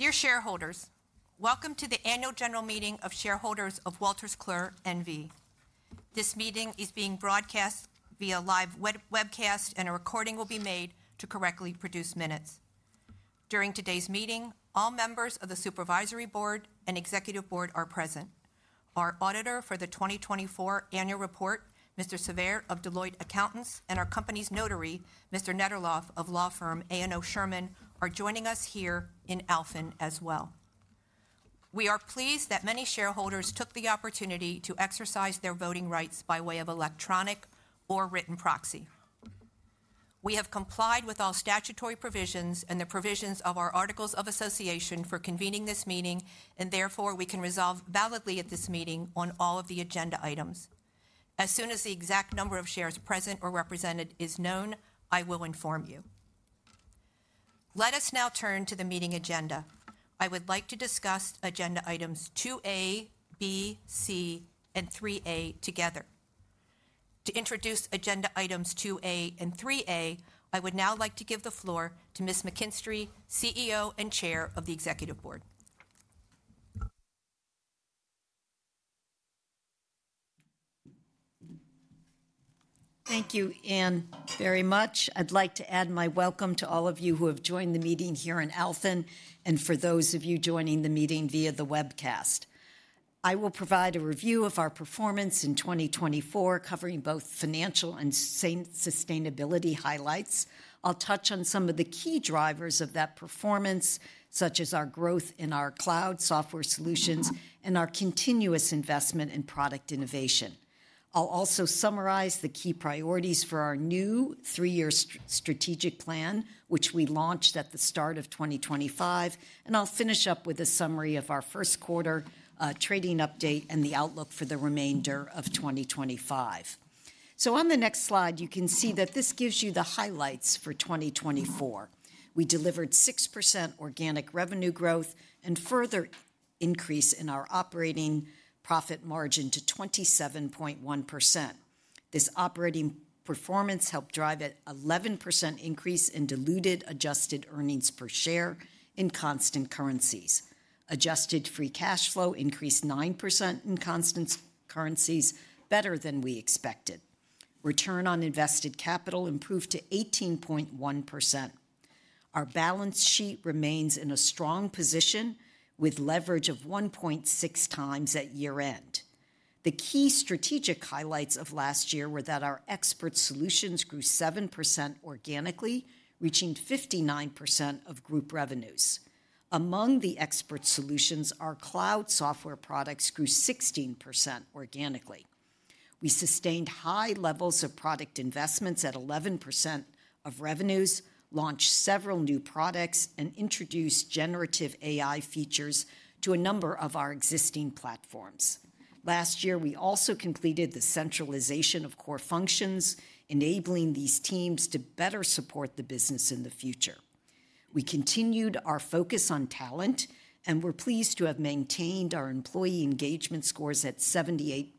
Dear shareholders, welcome to the Annual General Meeting of Shareholders of Wolters Kluwer N.V. This meeting is being broadcast via live webcast, and a recording will be made to correctly produce minutes. During today's meeting, all members of the Supervisory Board and Executive Board are present. Our auditor for the 2024 Annual Report, Mr. Savert of Deloitte Accountants, and our company's notary, Mr. Nederlof of Allen & Overy Shearman, are joining us here in Alphen aan den Rijn as well. We are pleased that many shareholders took the opportunity to exercise their voting rights by way of electronic or written proxy. We have complied with all statutory provisions and the provisions of our Articles of Association for convening this meeting, and therefore we can resolve validly at this meeting on all of the agenda items. As soon as the exact number of shares present or represented is known, I will inform you. Let us now turn to the meeting agenda. I would like to discuss agenda items 2A, B, C, and 3A together. To introduce agenda items 2A and 3A, I would now like to give the floor to Ms. McKinstry, CEO and Chair of the Executive Board. Thank you, Ann, very much. I'd like to add my welcome to all of you who have joined the meeting here in Alphen and for those of you joining the meeting via the webcast. I will provide a review of our performance in 2024, covering both financial and sustainability highlights. I'll touch on some of the key drivers of that performance, such as our growth in our cloud software solutions and our continuous investment in product innovation. I'll also summarize the key priorities for our new three-year strategic plan, which we launched at the start of 2025, and I'll finish up with a summary of our first quarter trading update and the outlook for the remainder of 2025. On the next slide, you can see that this gives you the highlights for 2024. We delivered 6% organic revenue growth and further increase in our operating profit margin to 27.1%. This operating performance helped drive an 11% increase in diluted adjusted earnings per share in constant currencies. Adjusted free cash flow increased 9% in constant currencies, better than we expected. Return on invested capital improved to 18.1%. Our balance sheet remains in a strong position with leverage of 1.6 times at year-end. The key strategic highlights of last year were that our expert solutions grew 7% organically, reaching 59% of group revenues. Among the expert solutions, our cloud software products grew 16% organically. We sustained high levels of product investments at 11% of revenues, launched several new products, and introduced generative AI features to a number of our existing platforms. Last year, we also completed the centralization of core functions, enabling these teams to better support the business in the future. We continued our focus on talent, and we're pleased to have maintained our employee engagement scores at 78.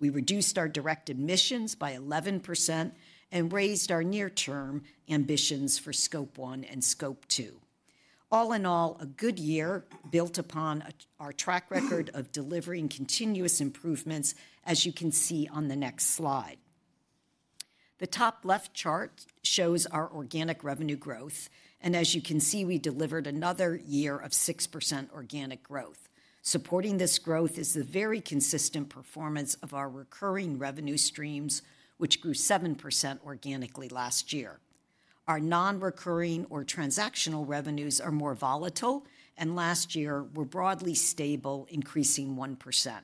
We reduced our direct emissions by 11% and raised our near-term ambitions for Scope 1 and Scope 2. All in all, a good year built upon our track record of delivering continuous improvements, as you can see on the next slide. The top left chart shows our organic revenue growth, and as you can see, we delivered another year of 6% organic growth. Supporting this growth is the very consistent performance of our recurring revenue streams, which grew 7% organically last year. Our non-recurring or transactional revenues are more volatile, and last year were broadly stable, increasing 1%.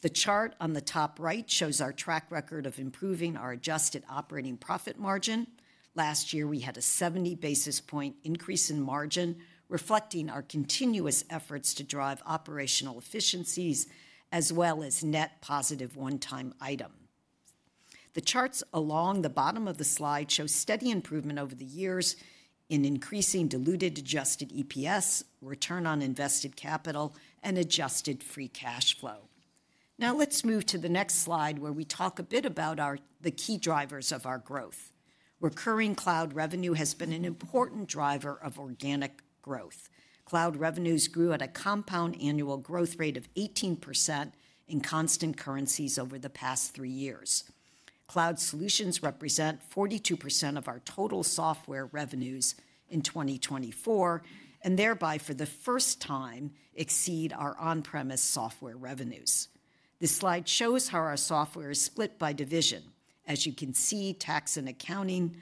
The chart on the top right shows our track record of improving our adjusted operating profit margin. Last year, we had a 70 basis point increase in margin, reflecting our continuous efforts to drive operational efficiencies as well as net positive one-time item. The charts along the bottom of the slide show steady improvement over the years in increasing diluted adjusted EPS, return on invested capital, and adjusted free cash flow. Now let's move to the next slide where we talk a bit about the key drivers of our growth. Recurring cloud revenue has been an important driver of organic growth. Cloud revenues grew at a compound annual growth rate of 18% in constant currencies over the past three years. Cloud solutions represent 42% of our total software revenues in 2024, and thereby, for the first time, exceed our on-premise software revenues. This slide shows how our software is split by division. As you can see, tax and accounting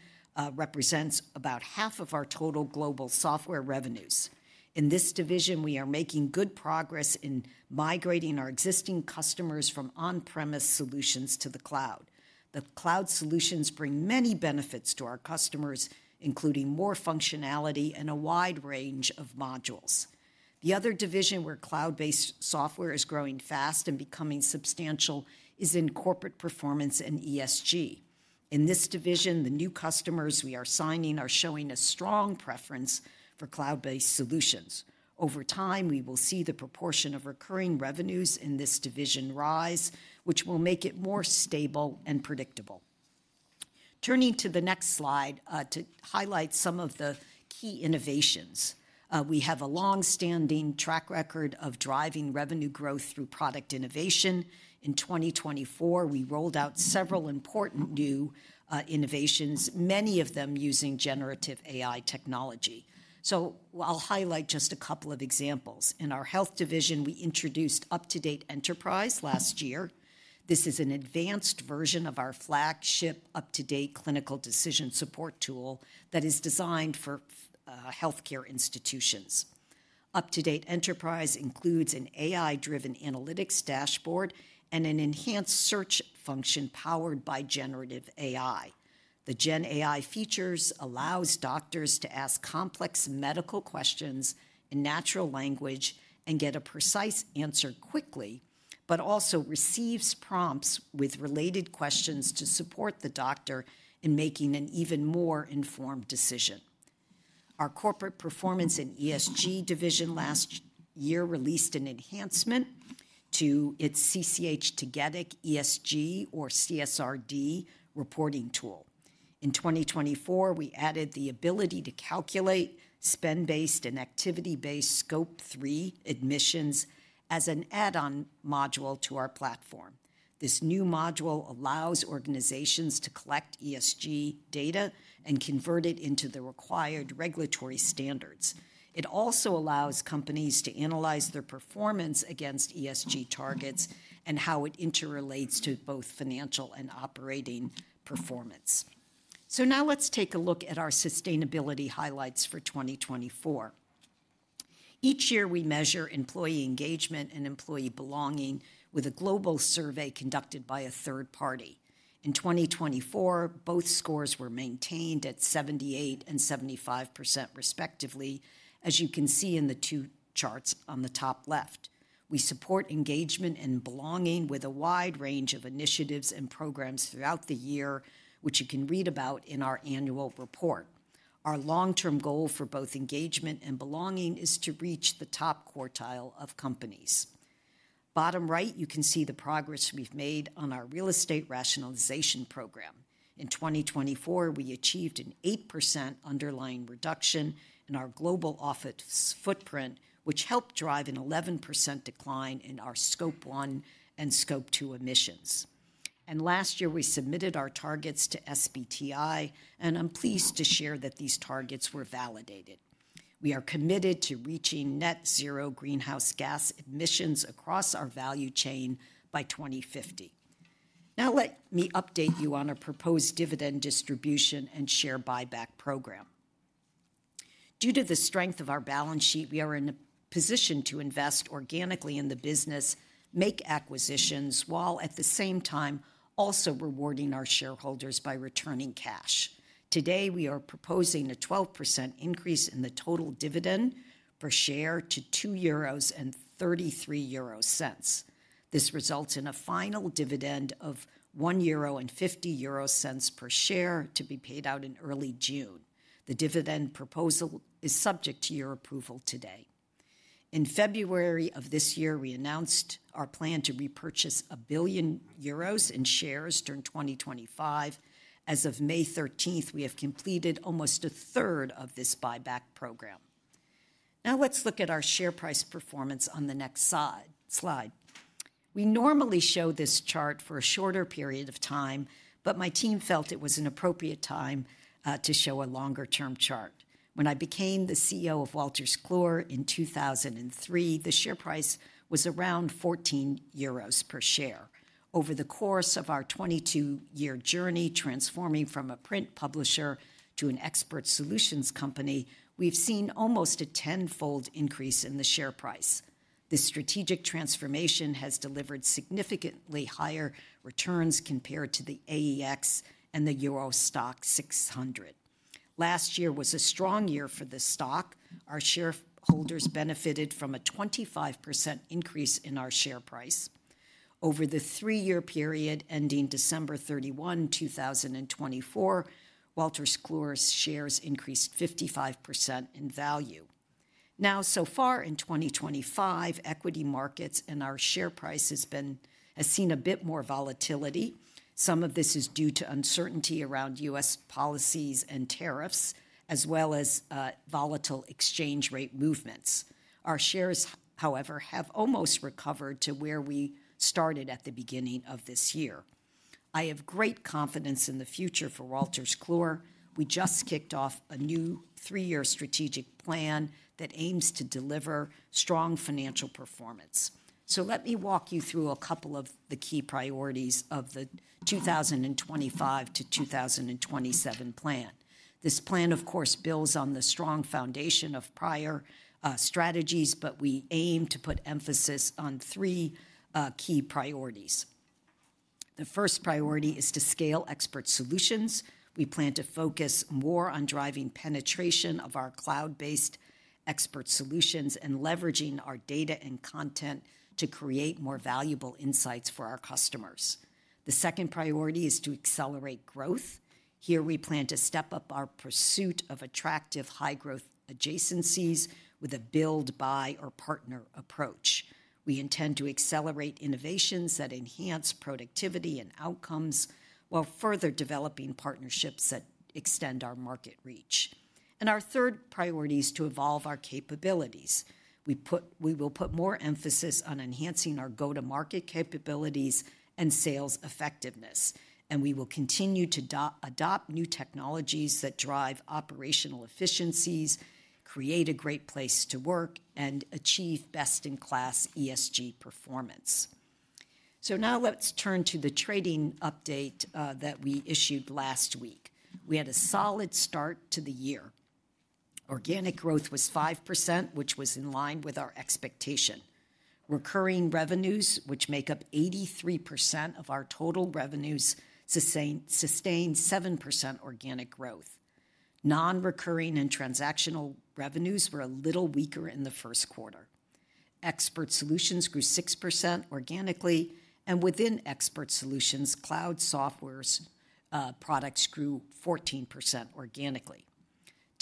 represents about half of our total global software revenues. In this division, we are making good progress in migrating our existing customers from on-premise solutions to the cloud. The cloud solutions bring many benefits to our customers, including more functionality and a wide range of modules. The other division where cloud-based software is growing fast and becoming substantial is in Corporate Performance and ESG. In this division, the new customers we are signing are showing a strong preference for cloud-based solutions. Over time, we will see the proportion of recurring revenues in this division rise, which will make it more stable and predictable. Turning to the next slide to highlight some of the key innovations. We have a long-standing track record of driving revenue growth through product innovation. In 2024, we rolled out several important new innovations, many of them using generative AI technology. I will highlight just a couple of examples. In our Health division, we introduced UpToDate Enterprise last year. This is an advanced version of our flagship UpToDate clinical decision support tool that is designed for healthcare institutions. UpToDate Enterprise includes an AI-driven analytics dashboard and an enhanced search function powered by generative AI. The GenAI features allow doctors to ask complex medical questions in natural language and get a precise answer quickly, but also receive prompts with related questions to support the doctor in making an even more informed decision. Our Corporate Performance and ESG division last year released an enhancement to its CCH Tagetik ESG or CSRD reporting tool. In 2024, we added the ability to calculate spend-based and activity-based Scope 3 emissions as an add-on module to our platform. This new module allows organizations to collect ESG data and convert it into the required regulatory standards. It also allows companies to analyze their performance against ESG targets and how it interrelates to both financial and operating performance. Now let's take a look at our sustainability highlights for 2024. Each year, we measure employee engagement and employee belonging with a global survey conducted by a third party. In 2024, both scores were maintained at 78% and 75% respectively, as you can see in the two charts on the top left. We support engagement and belonging with a wide range of initiatives and programs throughout the year, which you can read about in our annual report. Our long-term goal for both engagement and belonging is to reach the top quartile of companies. Bottom right, you can see the progress we have made on our real estate rationalization program. In 2024, we achieved an 8% underlying reduction in our global office footprint, which helped drive an 11% decline in our Scope 1 and Scope 2 emissions. Last year, we submitted our targets to SBTI, and I'm pleased to share that these targets were validated. We are committed to reaching net zero greenhouse gas emissions across our value chain by 2050. Now let me update you on our proposed dividend distribution and share buyback program. Due to the strength of our balance sheet, we are in a position to invest organically in the business, make acquisitions, while at the same time also rewarding our shareholders by returning cash. Today, we are proposing a 12% increase in the total dividend per share to 2.33 euros. This results in a final dividend of 1.50 euro per share to be paid out in early June. The dividend proposal is subject to your approval today. In February of this year, we announced our plan to repurchase 1 billion euros in shares during 2025. As of May 13th, we have completed almost a third of this buyback program. Now let's look at our share price performance on the next slide. We normally show this chart for a shorter period of time, but my team felt it was an appropriate time to show a longer-term chart. When I became the CEO of Wolters Kluwer in 2003, the share price was around 14 euros per share. Over the course of our 22-year journey, transforming from a print publisher to an expert solutions company, we've seen almost a tenfold increase in the share price. This strategic transformation has delivered significantly higher returns compared to the AEX and the Euro Stoxx 600. Last year was a strong year for the stock. Our shareholders benefited from a 25% increase in our share price. Over the three-year period ending December 31, 2024, Wolters Kluwer's shares increased 55% in value. Now, so far in 2025, equity markets and our share price have seen a bit more volatility. Some of this is due to uncertainty around U.S. policies and tariffs, as well as volatile exchange rate movements. Our shares, however, have almost recovered to where we started at the beginning of this year. I have great confidence in the future for Wolters Kluwer. We just kicked off a new three-year strategic plan that aims to deliver strong financial performance. Let me walk you through a couple of the key priorities of the 2025 to 2027 plan. This plan, of course, builds on the strong foundation of prior strategies, but we aim to put emphasis on three key priorities. The first priority is to scale expert solutions. We plan to focus more on driving penetration of our cloud-based expert solutions and leveraging our data and content to create more valuable insights for our customers. The second priority is to accelerate growth. Here, we plan to step up our pursuit of attractive high-growth adjacencies with a build-buy or partner approach. We intend to accelerate innovations that enhance productivity and outcomes while further developing partnerships that extend our market reach. Our third priority is to evolve our capabilities. We will put more emphasis on enhancing our go-to-market capabilities and sales effectiveness, and we will continue to adopt new technologies that drive operational efficiencies, create a great place to work, and achieve best-in-class ESG performance. Now let's turn to the trading update that we issued last week. We had a solid start to the year. Organic growth was 5%, which was in line with our expectation. Recurring revenues, which make up 83% of our total revenues, sustained 7% organic growth. Non-recurring and transactional revenues were a little weaker in the first quarter. Expert solutions grew 6% organically, and within expert solutions, cloud software products grew 14% organically.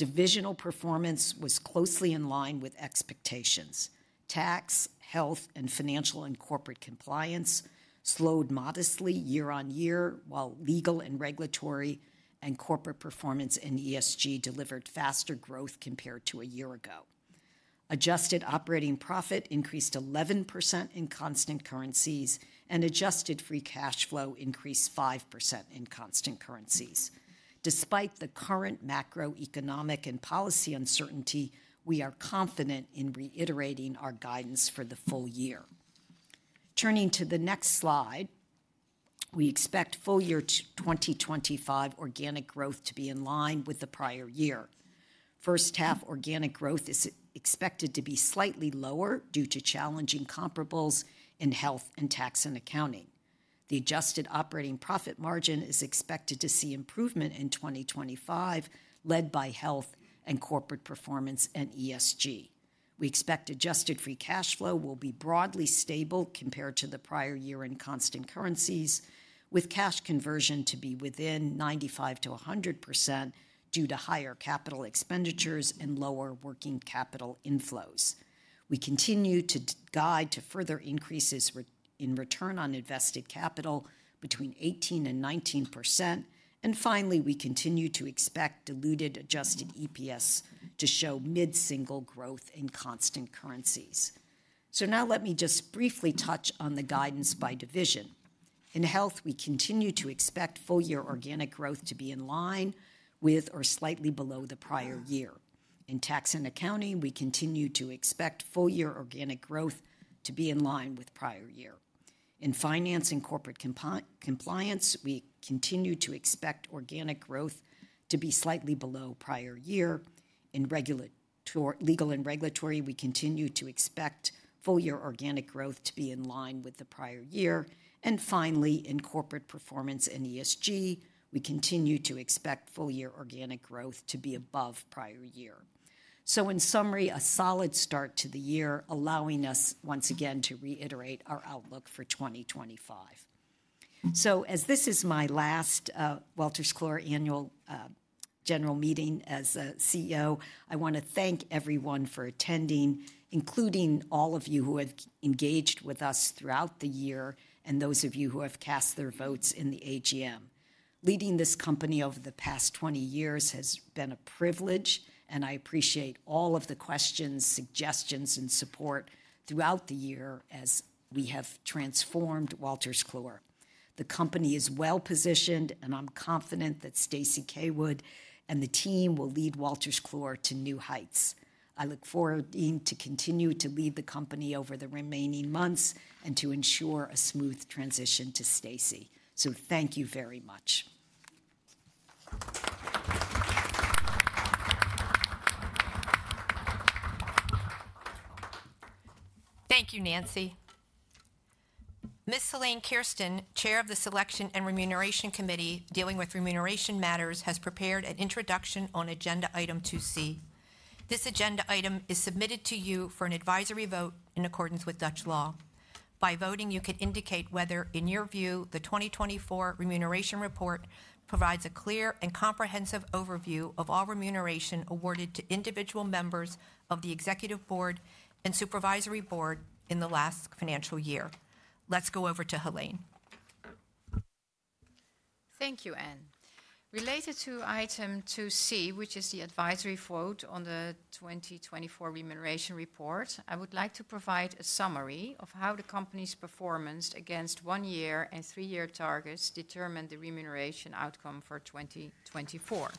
Divisional performance was closely in line with expectations. Tax, Health, and Financial and Corporate Compliance slowed modestly year-on-year, while Legal and Regulatory and Corporate Performance in ESG delivered faster growth compared to a year ago. Adjusted operating profit increased 11% in constant currencies, and adjusted free cash flow increased 5% in constant currencies. Despite the current macroeconomic and policy uncertainty, we are confident in reiterating our guidance for the full year. Turning to the next slide, we expect full year 2025 organic growth to be in line with the prior year. First half organic growth is expected to be slightly lower due to challenging comparables in Health and Tax and Accounting. The adjusted operating profit margin is expected to see improvement in 2025, led by Health and Corporate Performance and ESG. We expect adjusted free cash flow will be broadly stable compared to the prior year in constant currencies, with cash conversion to be within 95%-100% due to higher capital expenditures and lower working capital inflows. We continue to guide to further increases in return on invested capital between 18%-19%. Finally, we continue to expect diluted adjusted EPS to show mid-single digit growth in constant currencies. Now let me just briefly touch on the guidance by division. In Health, we continue to expect full year organic growth to be in line with or slightly below the prior year. In tax and accounting, we continue to expect full year organic growth to be in line with prior year. In finance and corporate compliance, we continue to expect organic growth to be slightly below prior year. In legal and regulatory, we continue to expect full year organic growth to be in line with the prior year. Finally, in corporate performance and ESG, we continue to expect full year organic growth to be above prior year. In summary, a solid start to the year, allowing us once again to reiterate our outlook for 2025. As this is my last Wolters Kluwer annual general meeting as CEO, I want to thank everyone for attending, including all of you who have engaged with us throughout the year and those of you who have cast their votes in the AGM. Leading this company over the past 20 years has been a privilege, and I appreciate all of the questions, suggestions, and support throughout the year as we have transformed Wolters Kluwer. The company is well positioned, and I'm confident that Stacey Caywood and the team will lead Wolters Kluwer to new heights. I look forward to continue to lead the company over the remaining months and to ensure a smooth transition to Stacey. Thank you very much. Thank you, Nancy. Ms. Heleen Kersten, Chair of the Selection and Remuneration Committee Dealing with Remuneration Matters, has prepared an introduction on agenda item 2C. This agenda item is submitted to you for an advisory vote in accordance with Dutch law. By voting, you can indicate whether, in your view, the 2024 remuneration report provides a clear and comprehensive overview of all remuneration awarded to individual members of the Executive Board and Supervisory Board in the last financial year. Let's go over to Helene. Thank you, Ann. Related to item 2C, which is the advisory vote on the 2024 remuneration report, I would like to provide a summary of how the company's performance against one-year and three-year targets determined the remuneration outcome for 2024.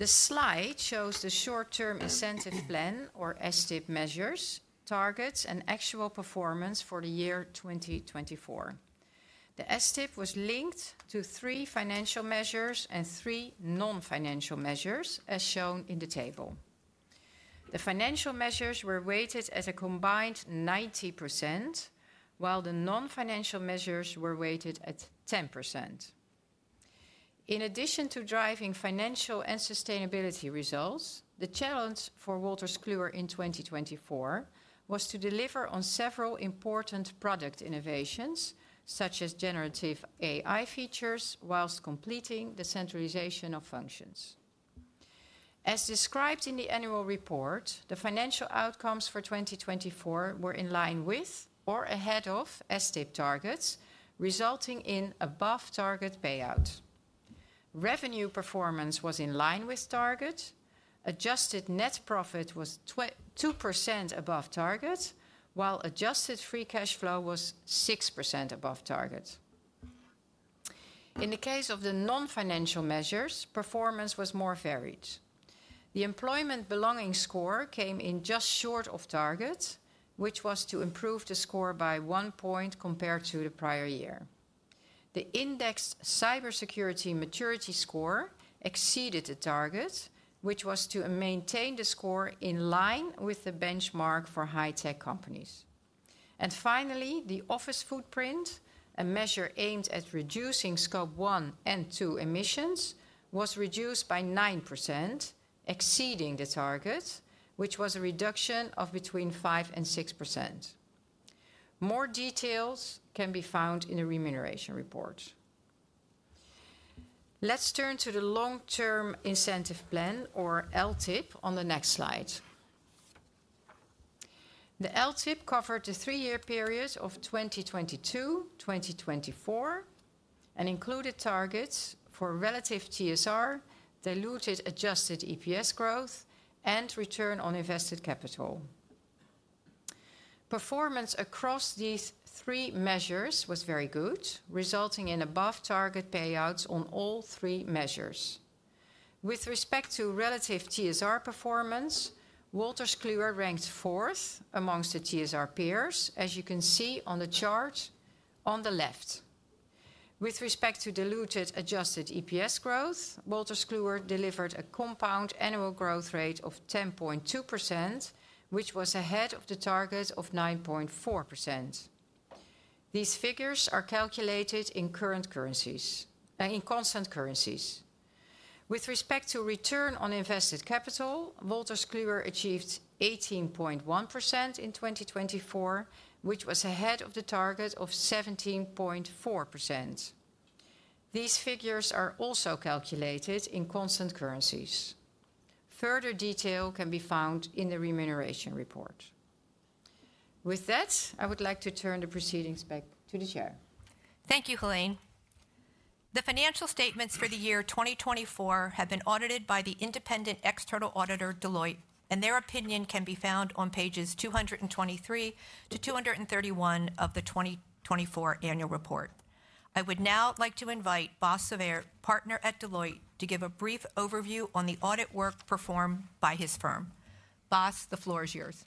The slide shows the short-term incentive plan, or STIP measures, targets, and actual performance for the year 2024. The STIP was linked to three financial measures and three non-financial measures, as shown in the table. The financial measures were weighted at a combined 90%, while the non-financial measures were weighted at 10%. In addition to driving financial and sustainability results, the challenge for Wolters Kluwer in 2024 was to deliver on several important product innovations, such as generative AI features, whilst completing the centralization of functions. As described in the annual report, the financial outcomes for 2024 were in line with or ahead of STIP targets, resulting in above-target payout. Revenue performance was in line with target. Adjusted net profit was 2% above target, while adjusted free cash flow was 6% above target. In the case of the non-financial measures, performance was more varied. The employment belonging score came in just short of target, which was to improve the score by one point compared to the prior year. The indexed cybersecurity maturity score exceeded the target, which was to maintain the score in line with the benchmark for high-tech companies. Finally, the office footprint, a measure aimed at reducing Scope 1 and Scope 2 emissions, was reduced by 9%, exceeding the target, which was a reduction of between 5% and 6%. More details can be found in the remuneration report. Let's turn to the long-term incentive plan, or LTIP, on the next slide. The LTIP covered the three-year period of 2022-2024 and included targets for relative TSR, diluted adjusted EPS growth, and return on invested capital. Performance across these three measures was very good, resulting in above-target payouts on all three measures. With respect to relative TSR performance, Wolters Kluwer ranked fourth amongst the TSR peers, as you can see on the chart on the left. With respect to diluted adjusted EPS growth, Wolters Kluwer delivered a compound annual growth rate of 10.2%, which was ahead of the target of 9.4%. These figures are calculated in current currencies, in constant currencies. With respect to return on invested capital, Wolters Kluwer achieved 18.1% in 2024, which was ahead of the target of 17.4%. These figures are also calculated in constant currencies. Further detail can be found in the remuneration report. With that, I would like to turn the proceedings back to the Chair. Thank you, Heleen. The financial statements for the year 2024 have been audited by the independent external auditor, Deloitte, and their opinion can be found on pages 223 to 231 of the 2024 annual report. I would now like to invite Bas Savert, Partner at Deloitte, to give a brief overview on the audit work performed by his firm. Boss, the floor is yours.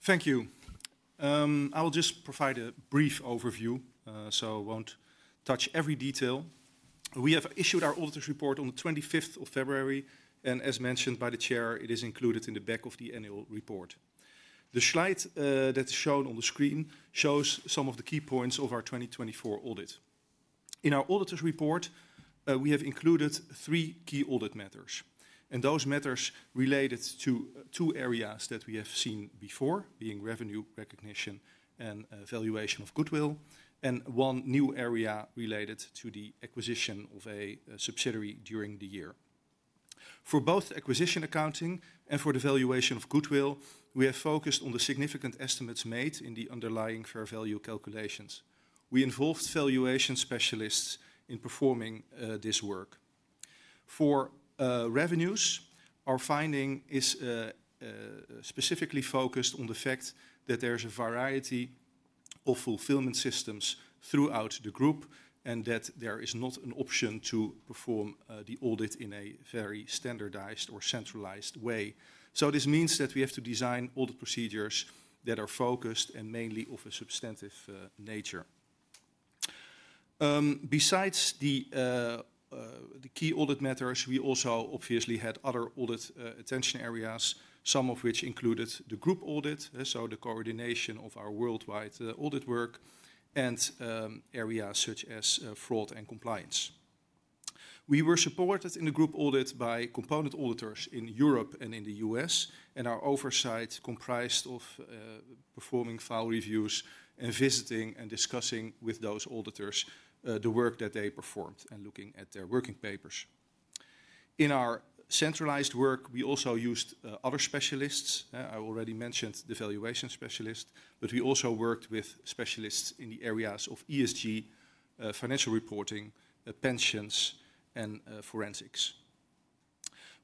Thank you. I will just provide a brief overview, so I won't touch every detail. We have issued our auditor's report on the 25th of February, and as mentioned by the Chair, it is included in the back of the annual report. The slide that is shown on the screen shows some of the key points of our 2024 audit. In our auditor's report, we have included three key audit matters, and those matters related to two areas that we have seen before, being revenue recognition and valuation of goodwill, and one new area related to the acquisition of a subsidiary during the year. For both acquisition accounting and for the valuation of goodwill, we have focused on the significant estimates made in the underlying fair value calculations. We involved valuation specialists in performing this work. For revenues, our finding is specifically focused on the fact that there is a variety of fulfillment systems throughout the group and that there is not an option to perform the audit in a very standardized or centralized way. This means that we have to design audit procedures that are focused and mainly of a substantive nature. Besides the key audit matters, we also obviously had other audit attention areas, some of which included the group audit, the coordination of our worldwide audit work, and areas such as fraud and compliance. We were supported in the group audit by component auditors in Europe and in the U.S., and our oversight comprised performing file reviews and visiting and discussing with those auditors the work that they performed and looking at their working papers. In our centralized work, we also used other specialists. I already mentioned the valuation specialist, but we also worked with specialists in the areas of ESG, financial reporting, pensions, and forensics.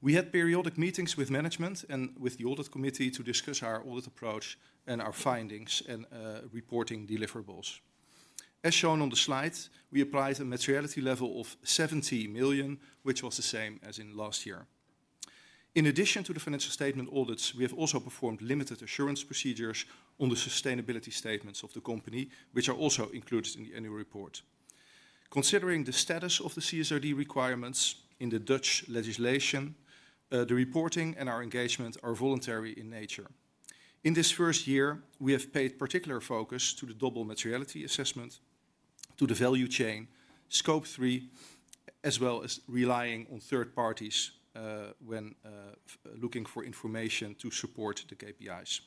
We had periodic meetings with management and with the Audit Committee to discuss our audit approach and our findings and reporting deliverables. As shown on the slide, we applied a materiality level of 70 million, which was the same as in last year. In addition to the financial statement audits, we have also performed limited assurance procedures on the sustainability statements of the company, which are also included in the annual report. Considering the status of the CSRD requirements in the Dutch legislation, the reporting and our engagement are voluntary in nature. In this first year, we have paid particular focus to the double materiality assessment, to the value chain, Scope 3, as well as relying on third parties when looking for information to support the KPIs.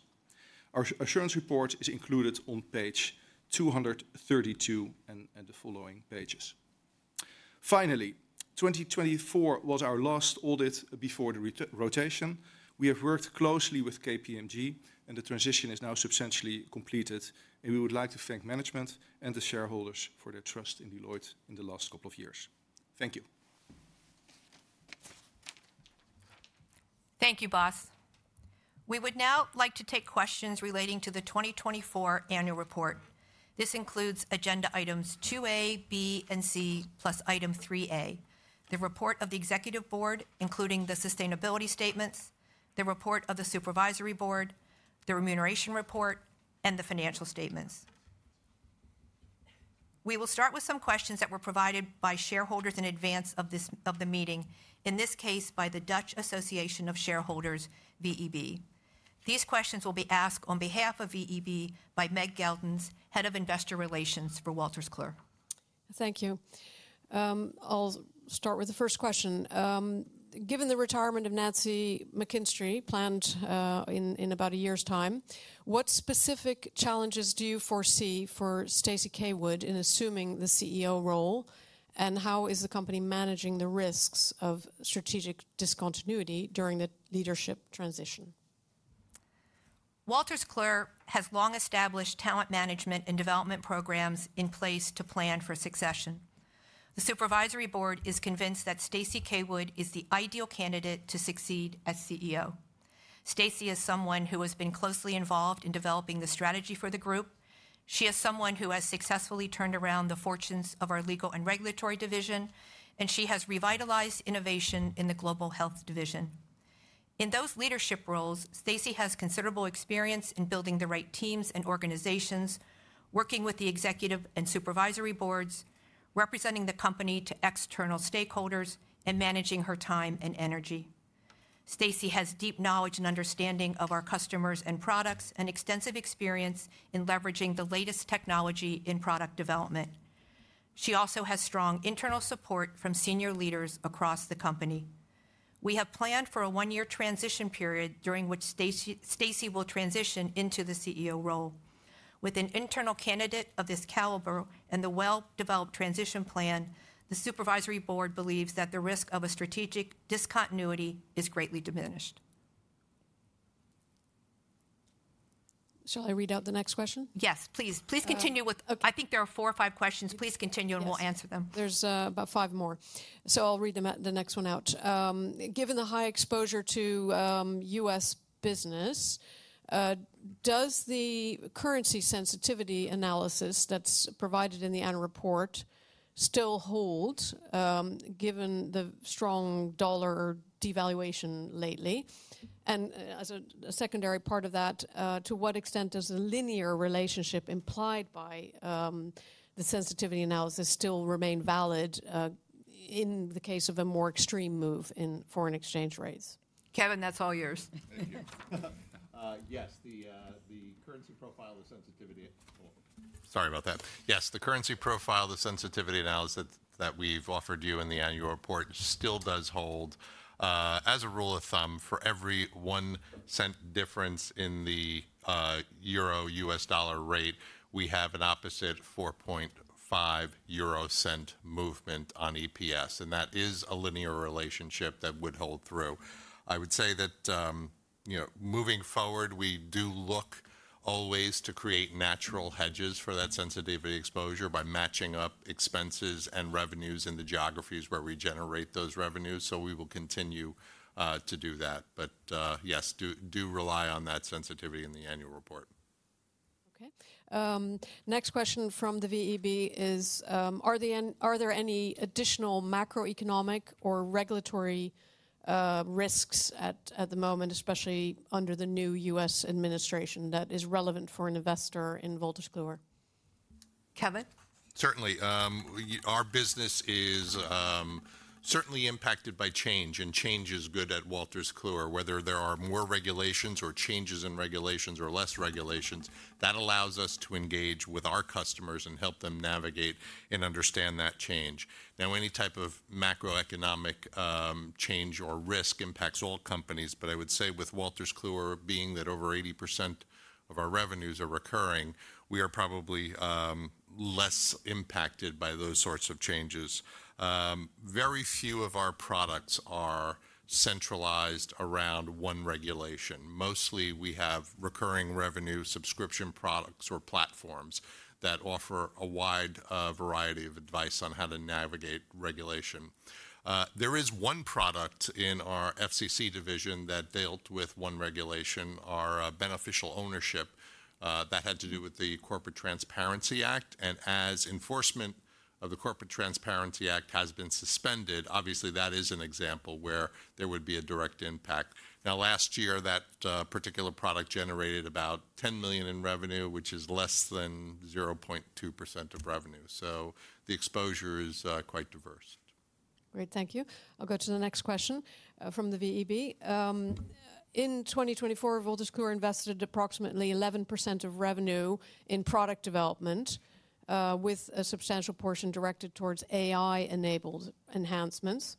Our assurance report is included on page 232 and the following pages. Finally, 2024 was our last audit before the rotation. We have worked closely with KPMG, and the transition is now substantially completed. We would like to thank management and the shareholders for their trust in Deloitte in the last couple of years. Thank you. Thank you, Bas. We would now like to take questions relating to the 2024 annual report. This includes agenda items 2A, B, and C, plus item 3A, the report of the Executive Board, including the sustainability statements, the report of the Supervisory Board, the remuneration report, and the financial statements. We will start with some questions that were provided by shareholders in advance of the meeting, in this case by the Dutch Association of Shareholders, VEB. These questions will be asked on behalf of VEB by Meg Geldens, Head of Investor Relations for Wolters Kluwer. Thank you. I'll start with the first question. Given the retirement of Nancy McKinstry planned in about a year's time, what specific challenges do you foresee for Stacey Caywood in assuming the CEO role? How is the company managing the risks of strategic discontinuity during the leadership transition? Wolters Kluwer has long established talent management and development programs in place to plan for succession. The Supervisory Board is convinced that Stacey Caywood is the ideal candidate to succeed as CEO. Stacey is someone who has been closely involved in developing the strategy for the group. She is someone who has successfully turned around the fortunes of our Legal and Regulatory division, and she has revitalized innovation in the Global Health division. In those leadership roles, Stacey has considerable experience in building the right teams and organizations, working with the Executive and Supervisory Boards, representing the company to external stakeholders, and managing her time and energy. Stacey has deep knowledge and understanding of our customers and products and extensive experience in leveraging the latest technology in product development. She also has strong internal support from senior leaders across the company. We have planned for a one-year transition period during which Stacey will transition into the CEO role. With an internal candidate of this caliber and the well-developed transition plan, the Supervisory Board believes that the risk of a strategic discontinuity is greatly diminished. Shall I read out the next question? Yes, please. Please continue with, I think there are four or five questions. Please continue and we'll answer them. There's about five more, so I'll read the next one out. Given the high exposure to U.S. business, does the currency sensitivity analysis that's provided in the annual report still hold given the strong dollar devaluation lately? As a secondary part of that, to what extent does the linear relationship implied by the sensitivity analysis still remain valid in the case of a more extreme move in foreign exchange rates? Kevin, that's all yours. Thank you. Yes, the currency profile of the sensitivity analysis—sorry about that. Yes, the currency profile, the sensitivity analysis that we've offered you in the annual report still does hold. As a rule of thumb, for every one cent difference in the EUR/USD rate, we have an opposite 0.045 movement on EPS, and that is a linear relationship that would hold through. I would say that moving forward, we do look always to create natural hedges for that sensitivity exposure by matching up expenses and revenues in the geographies where we generate those revenues, so we will continue to do that. Yes, do rely on that sensitivity in the annual report. Next question from the VEB is, are there any additional macroeconomic or regulatory risks at the moment, especially under the new U.S. administration, that is relevant for an investor in Wolters Kluwer? Kevin? Certainly. Our business is certainly impacted by change, and change is good at Wolters Kluwer. Whether there are more regulations or changes in regulations or less regulations, that allows us to engage with our customers and help them navigate and understand that change. Now, any type of macroeconomic change or risk impacts all companies, but I would say with Wolters Kluwer being that over 80% of our revenues are recurring, we are probably less impacted by those sorts of changes. Very few of our products are centralized around one regulation. Mostly, we have recurring revenue subscription products or platforms that offer a wide variety of advice on how to navigate regulation. There is one product in our FCC division that dealt with one regulation, our beneficial ownership, that had to do with the Corporate Transparency Act, and as enforcement of the Corporate Transparency Act has been suspended, obviously that is an example where there would be a direct impact. Now, last year, that particular product generated about 10 million in revenue, which is less than 0.2% of revenue. So the exposure is quite diverse. Great. Thank you. I'll go to the next question from the VEB. In 2024, Wolters Kluwer invested approximately 11% of revenue in product development, with a substantial portion directed towards AI-enabled enhancements.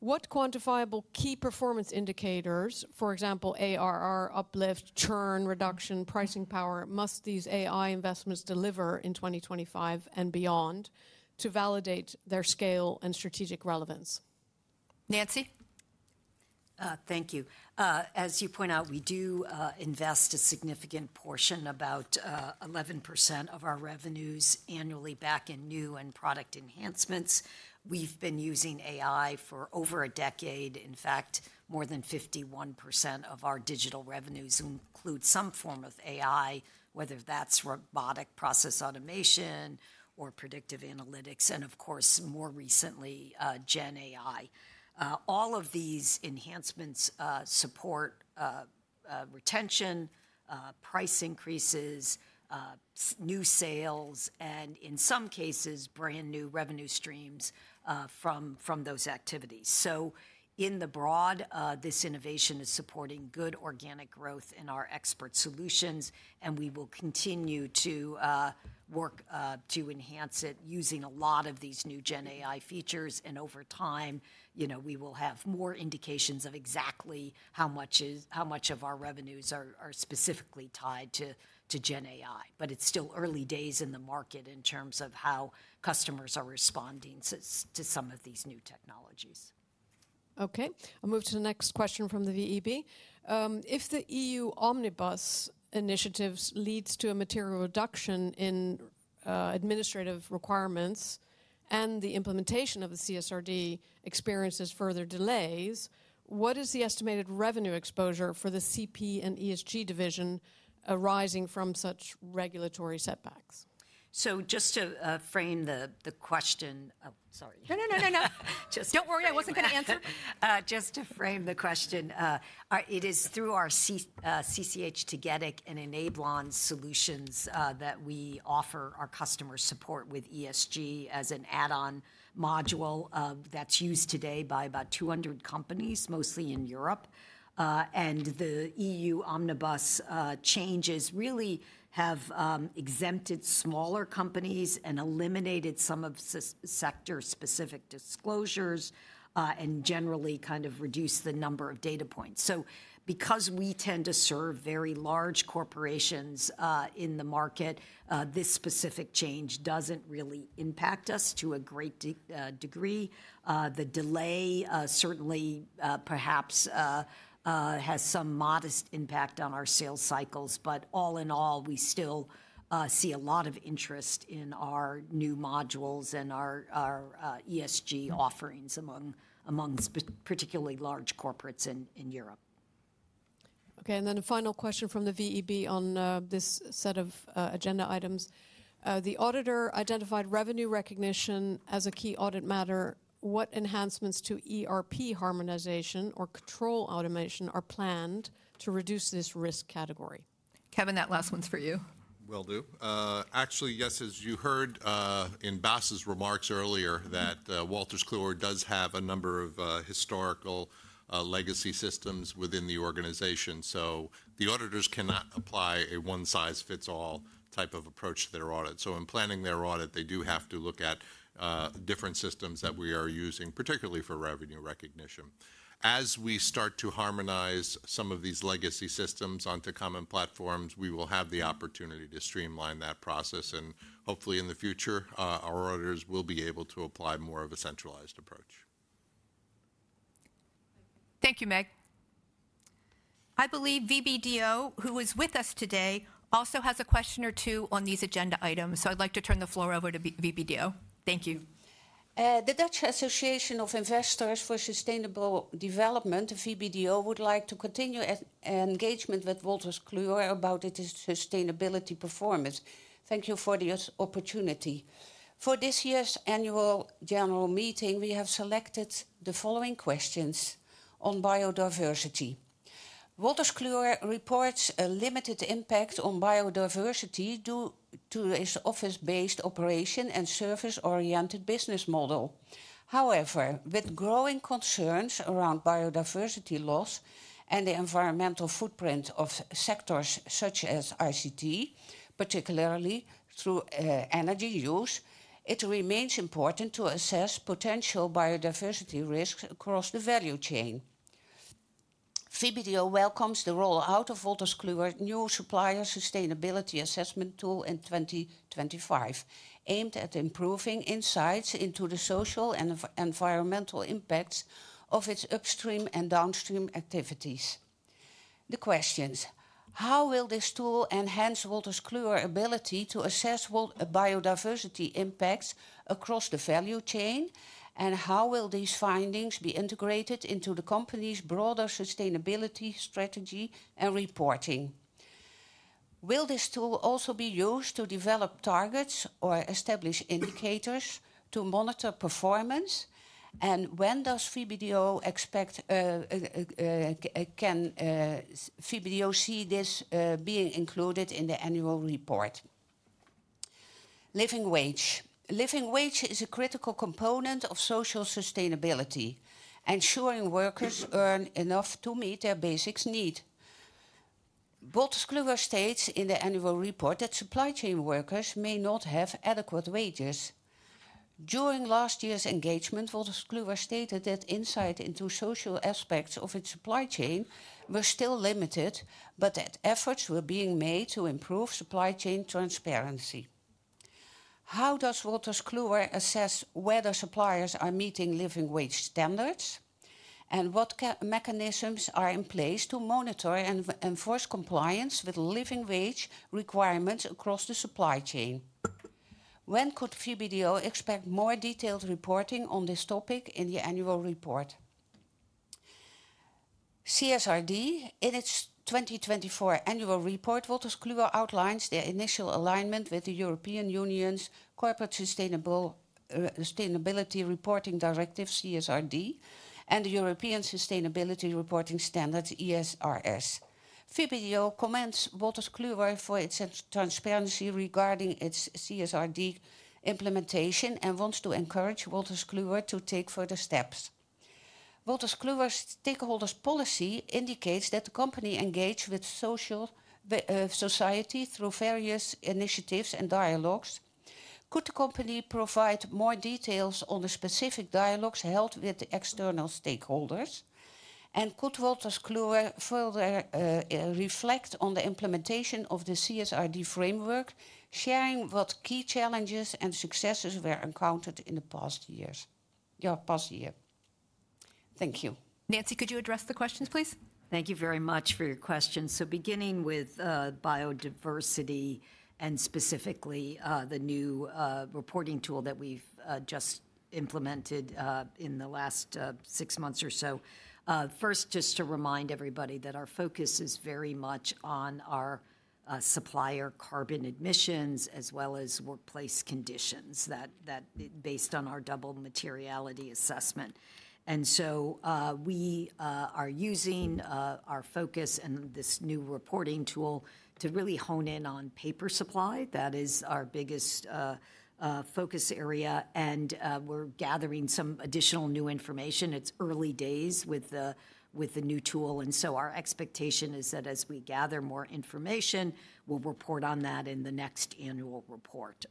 What quantifiable key performance indicators, for example, ARR, uplift, churn reduction, pricing power, must these AI investments deliver in 2025 and beyond to validate their scale and strategic relevance? Nancy? Thank you. As you point out, we do invest a significant portion, about 11% of our revenues annually back in new and product enhancements. We've been using AI for over a decade. In fact, more than 51% of our digital revenues include some form of AI, whether that's robotic process automation or predictive analytics, and of course, more recently, GenAI. All of these enhancements support retention, price increases, new sales, and in some cases, brand new revenue streams from those activities. In the broad, this innovation is supporting good organic growth in our expert solutions, and we will continue to work to enhance it using a lot of these new GenAI features. Over time, we will have more indications of exactly how much of our revenues are specifically tied to GenAI. It's still early days in the market in terms of how customers are responding to some of these new technologies. Okay. I'll move to the next question from the VEB. If the EU Omnibus initiatives leads to a material reduction in administrative requirements and the implementation of the CSRD experiences further delays, what is the estimated revenue exposure for the CP and ESG division arising from such regulatory setbacks? Just to frame the question—sorry. No, no, no, no, no. Just don't worry, I wasn't going to answer. Just to frame the question, it is through our CCH Tagetik and Enablon solutions that we offer our customer support with ESG as an add-on module that's used today by about 200 companies, mostly in Europe. The EU Omnibus changes really have exempted smaller companies and eliminated some of sector-specific disclosures and generally kind of reduced the number of data points. Because we tend to serve very large corporations in the market, this specific change doesn't really impact us to a great degree. The delay certainly perhaps has some modest impact on our sales cycles, but all in all, we still see a lot of interest in our new modules and our ESG offerings among particularly large corporates in Europe. Okay. A final question from the VEB on this set of agenda items. The auditor identified revenue recognition as a key audit matter. What enhancements to ERP harmonization or control automation are planned to reduce this risk category? Kevin, that last one's for you. Will do. Actually, yes, as you heard in Bas' remarks earlier, that Wolters Kluwer does have a number of historical legacy systems within the organization. The auditors cannot apply a one-size-fits-all type of approach to their audit. In planning their audit, they do have to look at different systems that we are using, particularly for revenue recognition. As we start to harmonize some of these legacy systems onto common platforms, we will have the opportunity to streamline that process. Hopefully, in the future, our auditors will be able to apply more of a centralized approach. Thank you, Meg. I believe VBDO, who is with us today, also has a question or two on these agenda items. I would like to turn the floor over to VBDO. Thank you. The Dutch Association of Investors for Sustainable Development, VBDO, would like to continue engagement with Wolters Kluwer about its sustainability performance. Thank you for the opportunity. For this year's annual general meeting, we have selected the following questions on biodiversity. Wolters Kluwer reports a limited impact on biodiversity due to its office-based operation and service-oriented business model. However, with growing concerns around biodiversity loss and the environmental footprint of sectors such as ICT, particularly through energy use, it remains important to assess potential biodiversity risks across the value chain. VBDO welcomes the rollout of Wolters Kluwer's new supplier sustainability assessment tool in 2025, aimed at improving insights into the social and environmental impacts of its upstream and downstream activities. The questions: How will this tool enhance Wolters Kluwer's ability to assess biodiversity impacts across the value chain, and how will these findings be integrated into the company's broader sustainability strategy and reporting? Will this tool also be used to develop targets or establish indicators to monitor performance? When does VBDO expect can VBDO see this being included in the annual report? Living wage. Living wage is a critical component of social sustainability, ensuring workers earn enough to meet their basic needs. Wolters Kluwer states in the annual report that supply chain workers may not have adequate wages. During last year's engagement, Wolters Kluwer stated that insight into social aspects of its supply chain were still limited, but that efforts were being made to improve supply chain transparency. How does Wolters Kluwer assess whether suppliers are meeting living wage standards? What mechanisms are in place to monitor and enforce compliance with living wage requirements across the supply chain? When could VBDO expect more detailed reporting on this topic in the annual report? In its 2024 annual report, Wolters Kluwer outlines their initial alignment with the European Union's Corporate Sustainability Reporting Directive, CSRD, and the European Sustainability Reporting Standards, ESRS. VBDO commends Wolters Kluwer for its transparency regarding its CSRD implementation and wants to encourage Wolters Kluwer to take further steps. Wolters Kluwer's stakeholders' policy indicates that the company engages with society through various initiatives and dialogues. Could the company provide more details on the specific dialogues held with external stakeholders? Could Wolters Kluwer further reflect on the implementation of the CSRD framework, sharing what key challenges and successes were encountered in the past year? Thank you. Nancy, could you address the questions, please? Thank you very much for your questions. Beginning with biodiversity and specifically the new reporting tool that we've just implemented in the last six months or so. First, just to remind everybody that our focus is very much on our supplier carbon emissions as well as workplace conditions based on our double materiality assessment. We are using our focus and this new reporting tool to really hone in on paper supply. That is our biggest focus area, and we're gathering some additional new information. It's early days with the new tool, and our expectation is that as we gather more information, we'll report on that in the next annual report.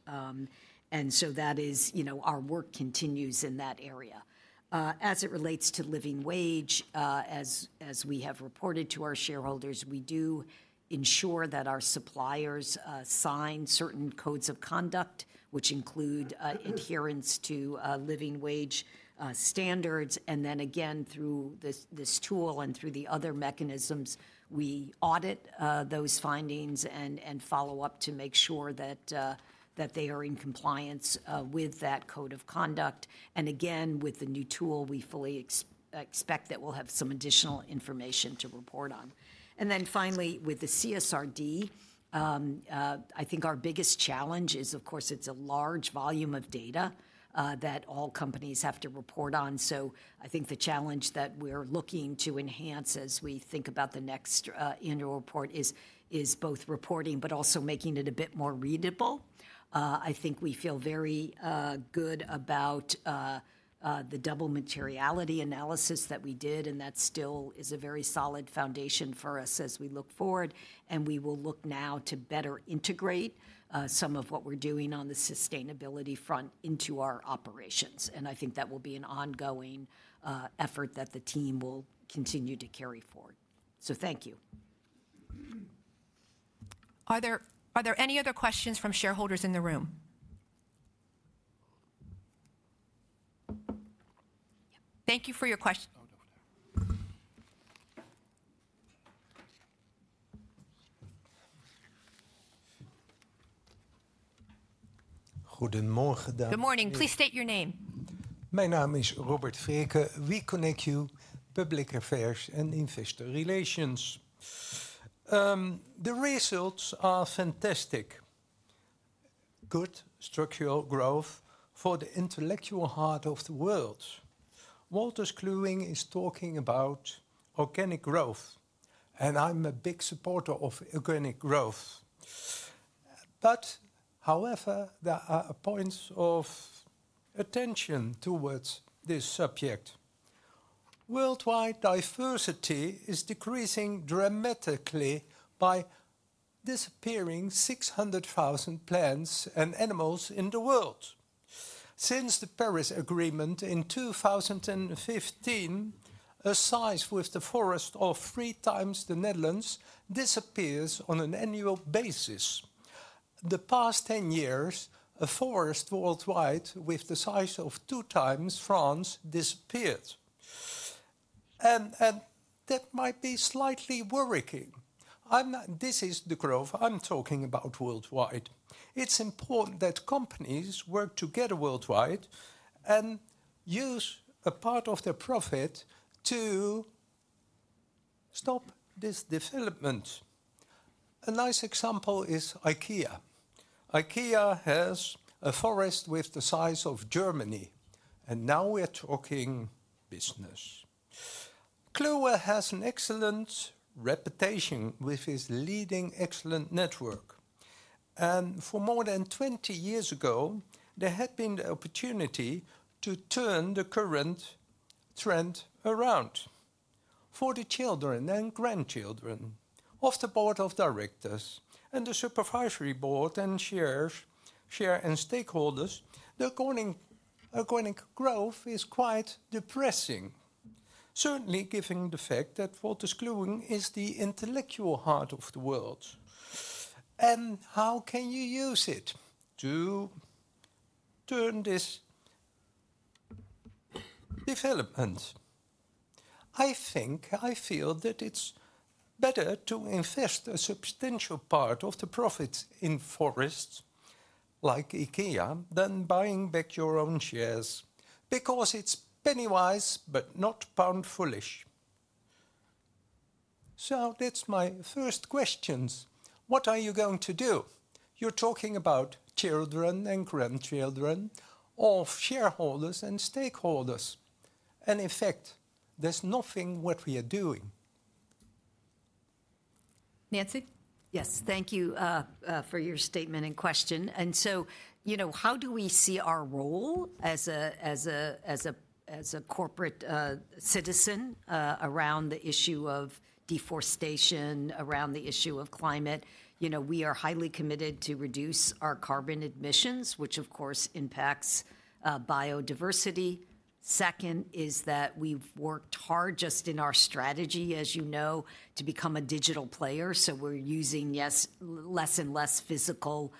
That is our work continues in that area. As it relates to living wage, as we have reported to our shareholders, we do ensure that our suppliers sign certain codes of conduct, which include adherence to living wage standards. Through this tool and through the other mechanisms, we audit those findings and follow up to make sure that they are in compliance with that code of conduct. With the new tool, we fully expect that we'll have some additional information to report on. Finally, with the CSRD, I think our biggest challenge is, of course, it's a large volume of data that all companies have to report on. I think the challenge that we're looking to enhance as we think about the next annual report is both reporting, but also making it a bit more readable. I think we feel very good about the double materiality analysis that we did, and that still is a very solid foundation for us as we look forward. We will look now to better integrate some of what we are doing on the sustainability front into our operations. I think that will be an ongoing effort that the team will continue to carry forward. Thank you. Are there any other questions from shareholders in the room? Thank you for your question. Goedemorgen. Good morning. Please state your name. Mijn naam is Robert Vreeken. We Connect You Public Affairs & Investor Relations. The results are fantastic. Good structural growth for the intellectual heart of the world. Wolters Kluwer is talking about organic growth, and I am a big supporter of organic growth. However, there are points of attention towards this subject. Worldwide diversity is decreasing dramatically by disappearing 600,000 plants and animals in the world. Since the Paris Agreement in 2015, a size with the forest of three times the Netherlands disappears on an annual basis. The past 10 years, a forest worldwide with the size of two times France disappeared. That might be slightly worrying. This is the growth I'm talking about worldwide. It's important that companies work together worldwide and use a part of their profit to stop this development. A nice example is IKEA. IKEA has a forest with the size of Germany, and now we're talking business. Kluwer has an excellent reputation with his leading excellent network. For more than 20 years ago, there had been the opportunity to turn the current trend around. For the children and grandchildren of the board of directors and the Supervisory Board and share and stakeholders, the organic growth is quite depressing. Certainly given the fact that Wolters Kluwer is the intellectual heart of the world. How can you use it to turn this development? I think I feel that it's better to invest a substantial part of the profits in forests like IKEA than buying back your own shares because it's pennywise but not pound foolish. That's my first questions. What are you going to do? You're talking about children and grandchildren of shareholders and stakeholders. In fact, there's nothing what we are doing. Nancy? Yes, thank you for your statement and question. How do we see our role as a corporate citizen around the issue of deforestation, around the issue of climate? We are highly committed to reduce our carbon emissions, which of course impacts biodiversity. Second is that we've worked hard just in our strategy, as you know, to become a digital player. We are using, yes, less and less physical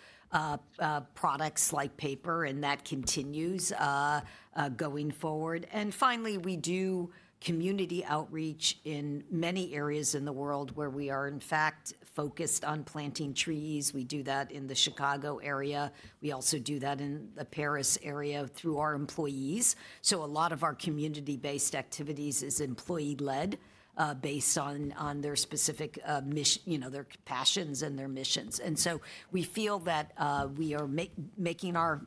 products like paper, and that continues going forward. Finally, we do community outreach in many areas in the world where we are in fact focused on planting trees. We do that in the Chicago area. We also do that in the Paris area through our employees. A lot of our community-based activities is employee-led, based on their specific passions and their missions. We feel that we are making our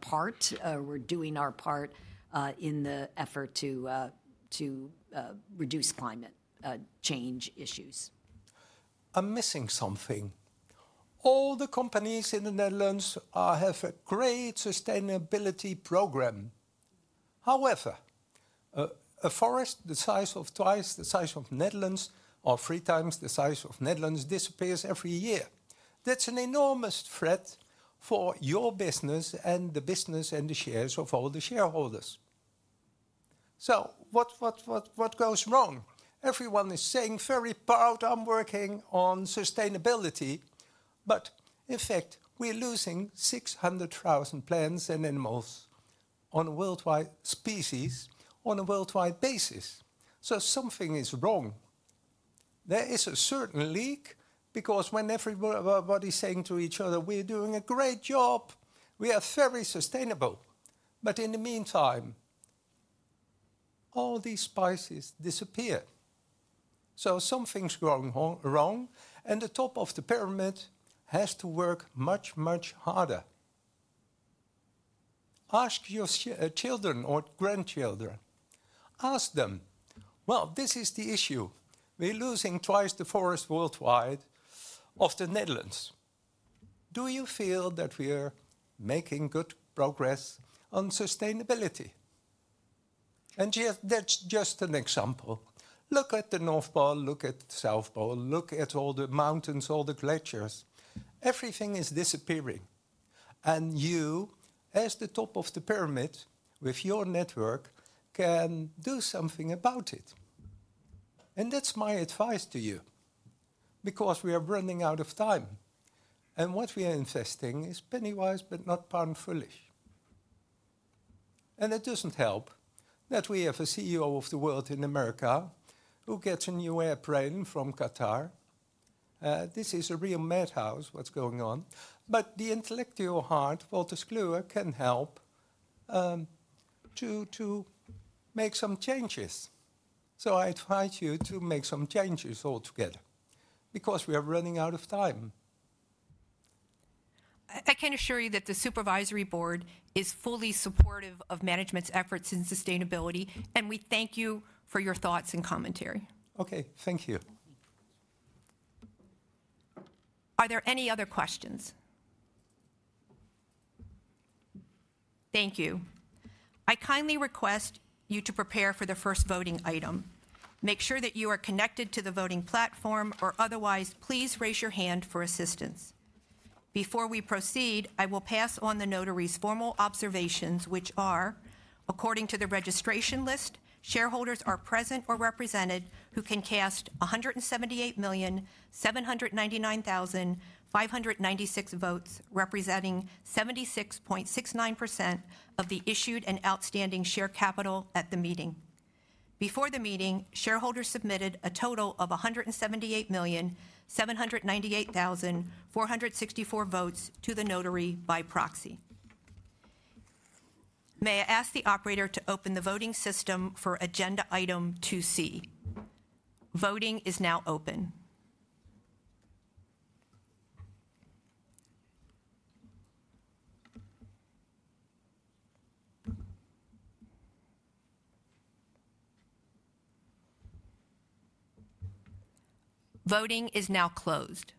part. We are doing our part in the effort to reduce climate change issues. I'm missing something. All the companies in the Netherlands have a great sustainability program. However, a forest the size of twice the size of the Netherlands or three times the size of the Netherlands disappears every year. That's an enormous threat for your business and the business and the shares of all the shareholders. What goes wrong? Everyone is saying very proud I'm working on sustainability, but in fact, we're losing 600,000 plants and animals on a worldwide basis. Something is wrong. There is a certain leak because when everybody's saying to each other, we're doing a great job, we are very sustainable, but in the meantime, all these species disappear. Something's going wrong, and the top of the pyramid has to work much, much harder. Ask your children or grandchildren. Ask them, this is the issue. We're losing twice the forest worldwide of the Netherlands. Do you feel that we're making good progress on sustainability? That is just an example. Look at the North Pole, look at the South Pole, look at all the mountains, all the glaciers. Everything is disappearing. You, as the top of the pyramid, with your network, can do something about it. That is my advice to you because we are running out of time. What we are investing is pennywise but not pound foolish. It does not help that we have a CEO of the world in America who gets a new airplane from Qatar. This is a real madhouse, what is going on. The intellectual heart of Wolters Kluwer can help to make some changes. I invite you to make some changes altogether because we are running out of time. I can assure you that the Supervisory Board is fully supportive of management's efforts in sustainability, and we thank you for your thoughts and commentary. Okay, thank you. Are there any other questions? Thank you. I kindly request you to prepare for the first voting item. Make sure that you are connected to the voting platform or otherwise, please raise your hand for assistance. Before we proceed, I will pass on the notary's formal observations, which are, according to the registration list, shareholders are present or represented who can cast 178,799,596 votes, representing 76.69% of the issued and outstanding share capital at the meeting. Before the meeting, shareholders submitted a total of 178,798,464 votes to the notary by proxy. May I ask the operator to open the voting system for agenda item 2C? Voting is now open. Voting is now closed.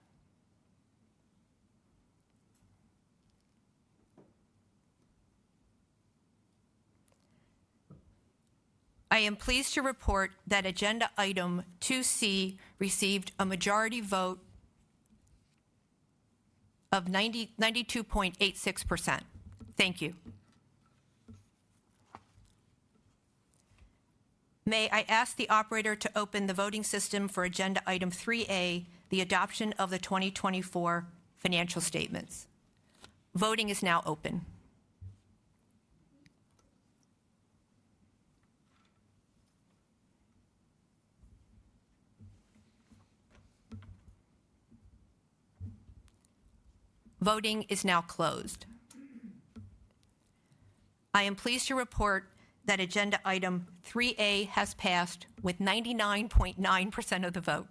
I am pleased to report that agenda item 2C received a majority vote of 92.86%. Thank you. May I ask the operator to open the voting system for agenda item 3A, the adoption of the 2024 financial statements? Voting is now open. Voting is now closed. I am pleased to report that agenda item 3A has passed with 99.9% of the vote.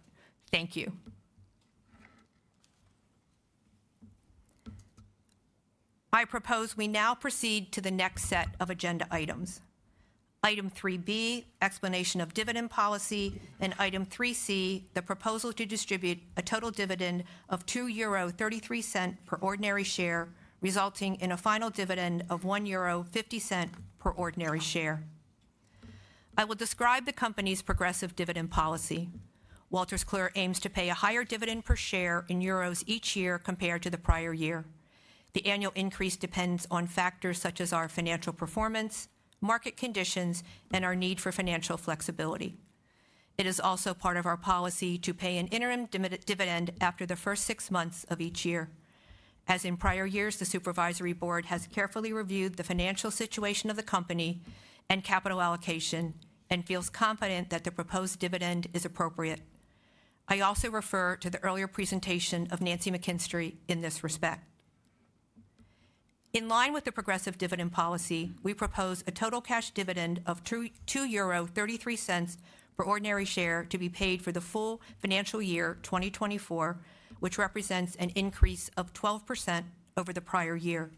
Thank you. I propose we now proceed to the next set of agenda items. Item 3B, explanation of dividend policy, and item 3C, the proposal to distribute a total dividend of 2.33 euro per ordinary share, resulting in a final dividend of 1.50 euro per ordinary share. I will describe the company's progressive dividend policy. Wolters Kluwer aims to pay a higher dividend per share in euros each year compared to the prior year. The annual increase depends on factors such as our financial performance, market conditions, and our need for financial flexibility. It is also part of our policy to pay an interim dividend after the first six months of each year. As in prior years, the Supervisory Board has carefully reviewed the financial situation of the company and capital allocation and feels confident that the proposed dividend is appropriate. I also refer to the earlier presentation of Nancy McKinstry in this respect. In line with the progressive dividend policy, we propose a total cash dividend of 2.33 euro per ordinary share to be paid for the full financial year 2024, which represents an increase of 12% over the prior year.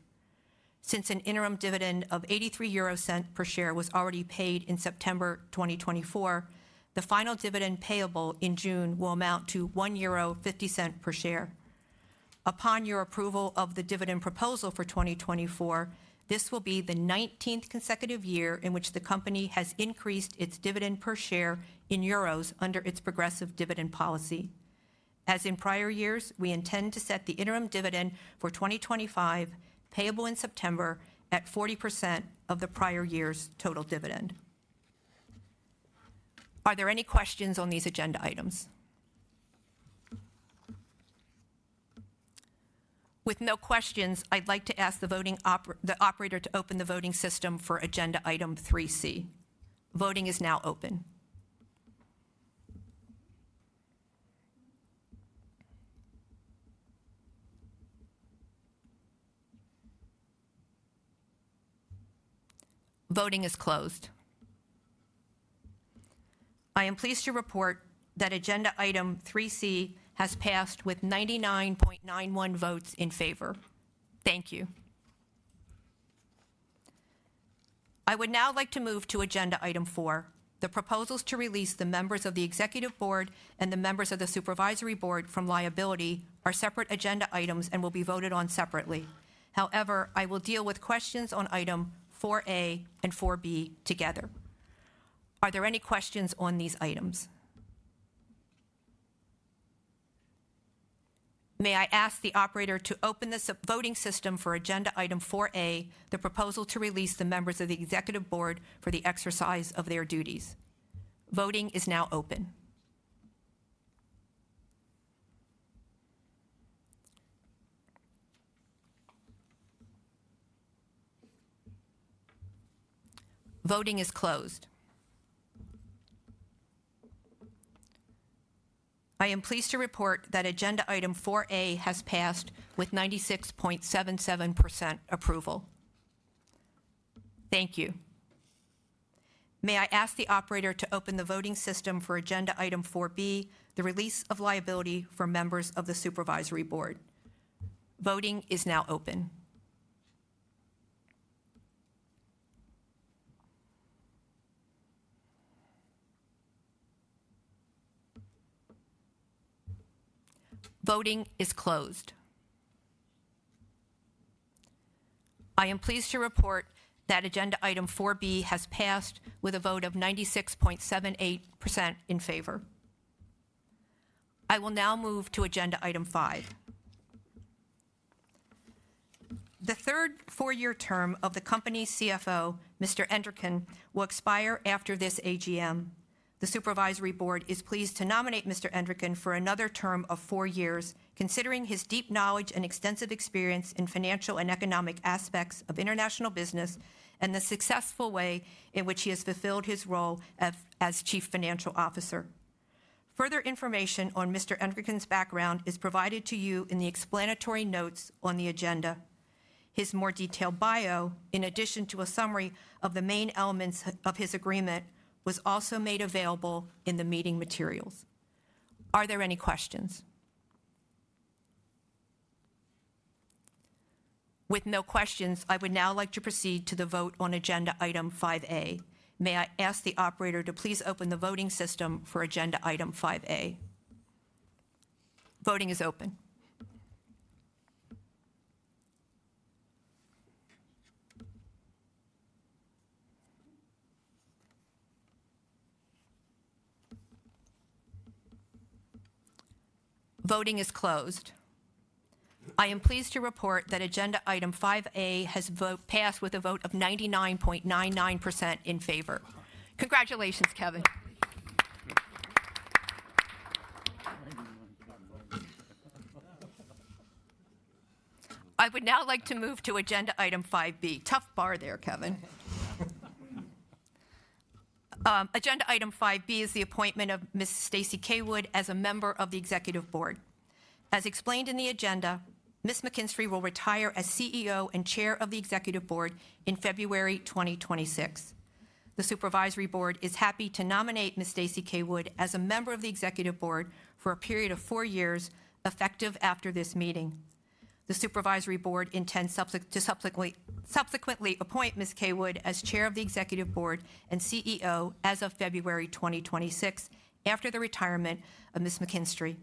Since an interim dividend of 0.83 per share was already paid in September 2024, the final dividend payable in June will amount to 1.50 euro per share. Upon your approval of the dividend proposal for 2024, this will be the 19th consecutive year in which the company has increased its dividend per share in euros under its progressive dividend policy. As in prior years, we intend to set the interim dividend for 2025 payable in September at 40% of the prior year's total dividend. Are there any questions on these agenda items? With no questions, I'd like to ask the operator to open the voting system for agenda item 3C. Voting is now open. Voting is closed. I am pleased to report that agenda item 3C has passed with 99.91% votes in favor. Thank you. I would now like to move to agenda item four. The proposals to release the members of the Executive Board and the members of the Supervisory Board from liability are separate agenda items and will be voted on separately. However, I will deal with questions on item 4A and 4B together. Are there any questions on these items? May I ask the operator to open the voting system for agenda item 4A, the proposal to release the members of the Executive Board for the exercise of their duties? Voting is now open. Voting is closed. I am pleased to report that agenda item 4A has passed with 96.77% approval. Thank you. May I ask the operator to open the voting system for agenda item 4B, the release of liability for members of the Supervisory Board? Voting is now open. Voting is closed. I am pleased to report that agenda item 4B has passed with a vote of 96.78% in favor. I will now move to agenda item 5. The third four-year term of the company's CFO, Mr. Entricken, will expire after this AGM. The Supervisory Board is pleased to nominate Mr. Entricken for another term of four years, considering his deep knowledge and extensive experience in financial and economic aspects of international business and the successful way in which he has fulfilled his role as Chief Financial Officer. Further information on Mr. Entricken's background is provided to you in the explanatory notes on the agenda. His more detailed bio, in addition to a summary of the main elements of his agreement, was also made available in the meeting materials. Are there any questions? With no questions, I would now like to proceed to the vote on agenda item 5A. May I ask the operator to please open the voting system for agenda item 5A? Voting is open. Voting is closed. I am pleased to report that agenda item 5A has passed with a vote of 99.99% in favor. Congratulations, Kevin. I would now like to move to agenda item 5B. Tough bar there, Kevin. Agenda item 5B is the appointment of Ms. Stacey Caywood as a member of the Executive Board. As explained in the agenda, Ms. McKinstry will retire as CEO and Chair of the Executive Board in February 2026. The Supervisory Board is happy to nominate Ms. Stacey Caywood as a member of the Executive Board for a period of four years effective after this meeting. The Supervisory Board intends to subsequently appoint Ms. Caywood as Chair of the Executive Board and CEO as of February 2026, after the retirement of Ms. McKinstry.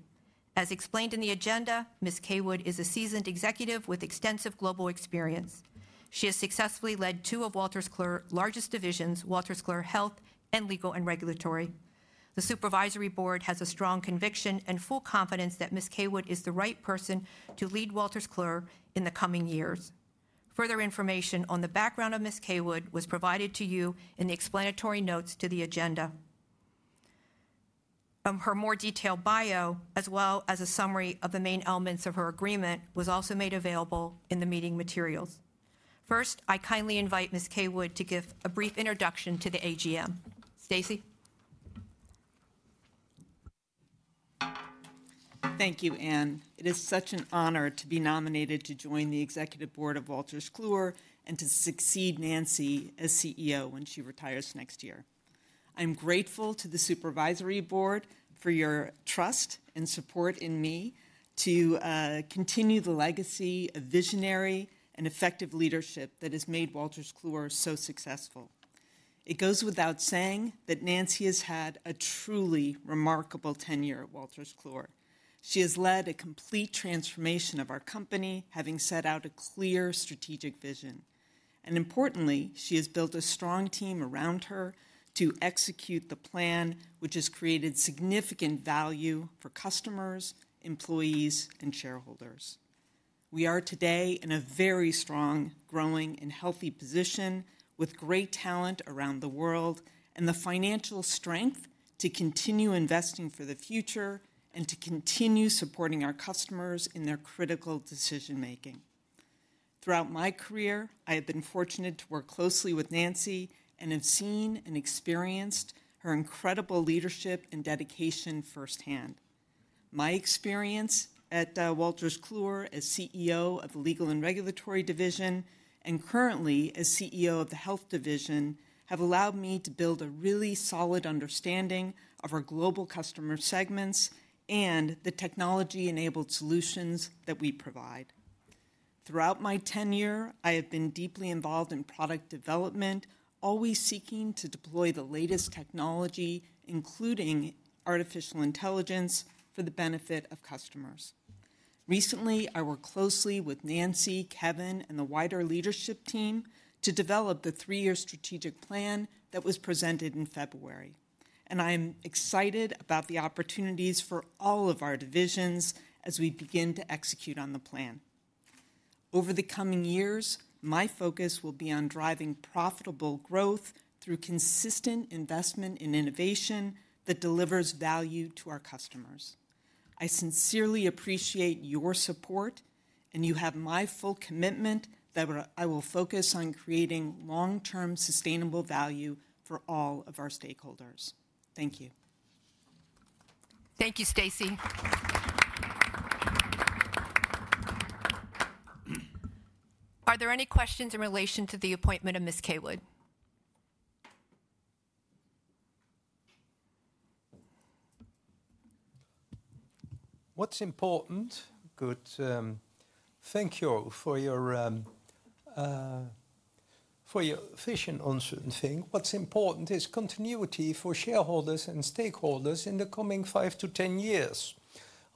As explained in the agenda, Ms. Caywood is a seasoned executive with extensive global experience. She has successfully led two of Wolters Kluwer's largest divisions, Wolters Kluwer Health and Legal and Regulatory. The Supervisory Board has a strong conviction and full confidence that Ms. Caywood is the right person to lead Wolters Kluwer in the coming years. Further information on the background of Ms. Caywood was provided to you in the explanatory notes to the agenda. Her more detailed bio, as well as a summary of the main elements of her agreement, was also made available in the meeting materials. First, I kindly invite Ms. Caywood to give a brief introduction to the AGM. Stacey. Thank you, Ann. It is such an honor to be nominated to join the Executive Board of Wolters Kluwer and to succeed Nancy as CEO when she retires next year. I'm grateful to the Supervisory Board for your trust and support in me to continue the legacy of visionary and effective leadership that has made Wolters Kluwer so successful. It goes without saying that Nancy has had a truly remarkable tenure at Wolters Kluwer. She has led a complete transformation of our company, having set out a clear strategic vision. Importantly, she has built a strong team around her to execute the plan, which has created significant value for customers, employees, and shareholders. We are today in a very strong, growing, and healthy position with great talent around the world and the financial strength to continue investing for the future and to continue supporting our customers in their critical decision-making. Throughout my career, I have been fortunate to work closely with Nancy and have seen and experienced her incredible leadership and dedication firsthand. My experience at Wolters Kluwer as CEO of the Legal and Regulatory Division and currently as CEO of the Health Division have allowed me to build a really solid understanding of our global customer segments and the technology-enabled solutions that we provide. Throughout my tenure, I have been deeply involved in product development, always seeking to deploy the latest technology, including artificial intelligence, for the benefit of customers. Recently, I worked closely with Nancy, Kevin, and the wider leadership team to develop the three-year strategic plan that was presented in February. I am excited about the opportunities for all of our divisions as we begin to execute on the plan. Over the coming years, my focus will be on driving profitable growth through consistent investment in innovation that delivers value to our customers. I sincerely appreciate your support, and you have my full commitment that I will focus on creating long-term sustainable value for all of our stakeholders. Thank you. Thank you, Stacey. Are there any questions in relation to the appointment of Ms. Caywood? What's important? Good. Thank you for your fishing on certain things. What's important is continuity for shareholders and stakeholders in the coming five to ten years.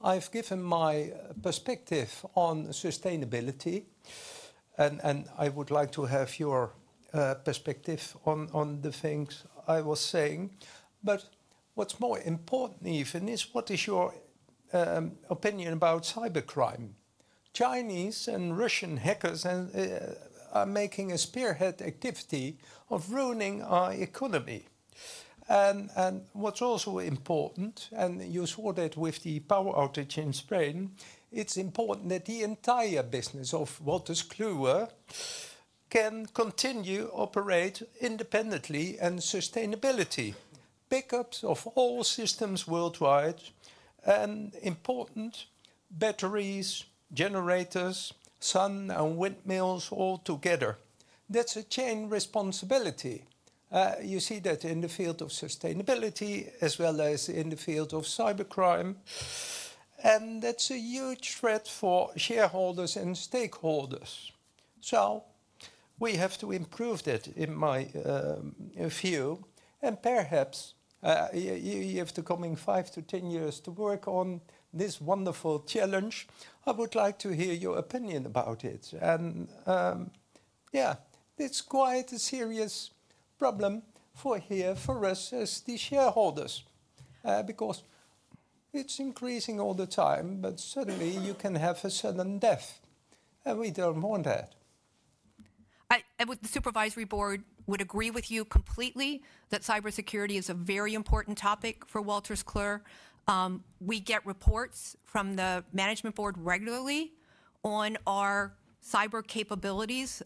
I've given my perspective on sustainability, and I would like to have your perspective on the things I was saying. What is more important, even, is what is your opinion about cybercrime? Chinese and Russian hackers are making a spearhead activity of ruining our economy. What is also important, and you saw that with the power outage in Spain, is that the entire business of Wolters Kluwer can continue to operate independently and sustainably. Pickups of all systems worldwide, and important batteries, generators, sun and windmills altogether. That is a chain responsibility. You see that in the field of sustainability as well as in the field of cybercrime. That is a huge threat for shareholders and stakeholders. We have to improve that in my view, and perhaps you have the coming five to ten years to work on this wonderful challenge. I would like to hear your opinion about it. Yeah, it's quite a serious problem for here, for us as the shareholders, because it's increasing all the time, but suddenly you can have a sudden death, and we don't want that. The Supervisory Board would agree with you completely that cybersecurity is a very important topic for Wolters Kluwer. We get reports from the Management Board regularly on our cyber capabilities.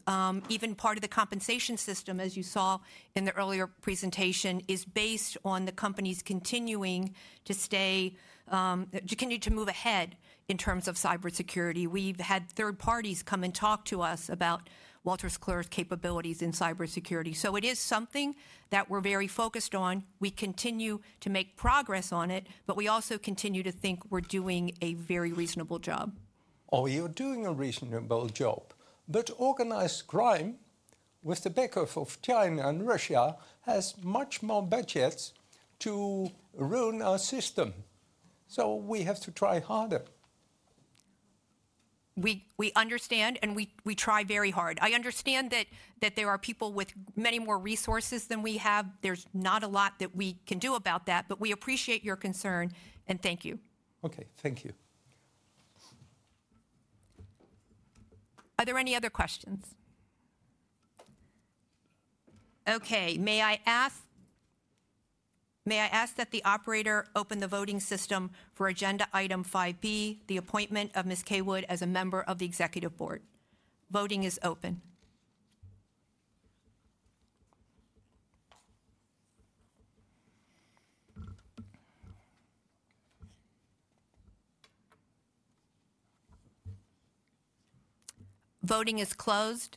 Even part of the compensation system, as you saw in the earlier presentation, is based on the company's continuing to stay, continuing to move ahead in terms of cybersecurity. We've had third parties come and talk to us about Wolters Kluwer's capabilities in cybersecurity. It is something that we're very focused on. We continue to make progress on it, but we also continue to think we're doing a very reasonable job. Oh, you're doing a reasonable job. But organized crime, with the backup of China and Russia, has much more budgets to ruin our system. We have to try harder. We understand, and we try very hard. I understand that there are people with many more resources than we have. There's not a lot that we can do about that, but we appreciate your concern, and thank you. Okay, thank you. Are there any other questions? Okay, may I ask that the operator open the voting system for agenda item 5B, the appointment of Ms. Caywood as a member of the Executive Board? Voting is open. Voting is closed.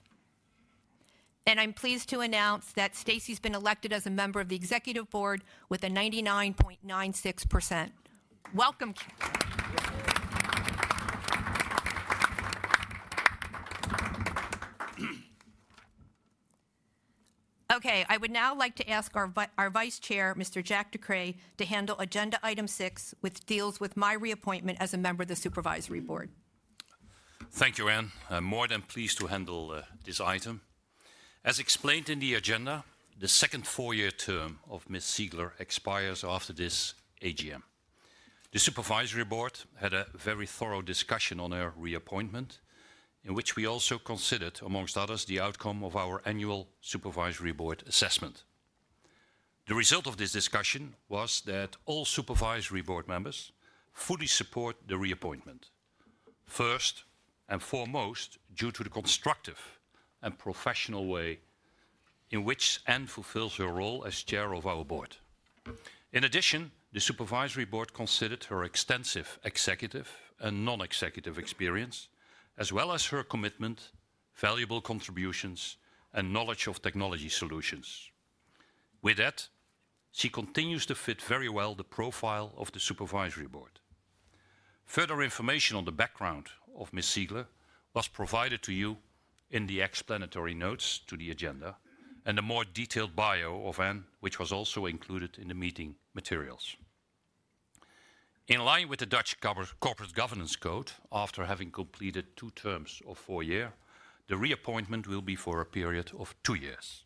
I'm pleased to announce that Stacey's been elected as a member of the Executive Board with a 99.96%. Welcome. Okay, I would now like to ask our Vice Chair, Mr. Jack de Kreij, to handle agenda item six, which deals with my reappointment as a member of the Supervisory Board. Thank you, Ann. I'm more than pleased to handle this item. As explained in the agenda, the second four-year term of Ms. Ziegler expires after this AGM. The Supervisory Board had a very thorough discussion on her reappointment, in which we also considered, amongst others, the outcome of our annual Supervisory Board assessment. The result of this discussion was that all Supervisory Board members fully support the reappointment, first and foremost due to the constructive and professional way in which Ann fulfills her role as Chair of our Board. In addition, the Supervisory Board considered her extensive executive and non-executive experience, as well as her commitment, valuable contributions, and knowledge of technology solutions. With that, she continues to fit very well the profile of the Supervisory Board. Further information on the background of Ms. Ziegler was provided to you in the explanatory notes to the agenda and a more detailed bio of Ann, which was also included in the meeting materials. In line with the Dutch Corporate Governance Code, after having completed two terms of four years, the reappointment will be for a period of two years.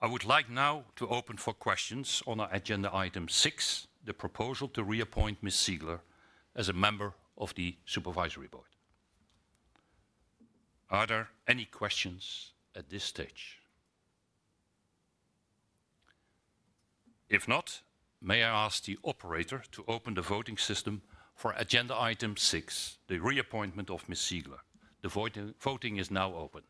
I would like now to open for questions on agenda item six, the proposal to reappoint Ms. Ziegler as a member of the Supervisory Board. Are there any questions at this stage? If not, may I ask the operator to open the voting system for agenda item six, the reappointment of Ms. Ziegler? The voting is now open.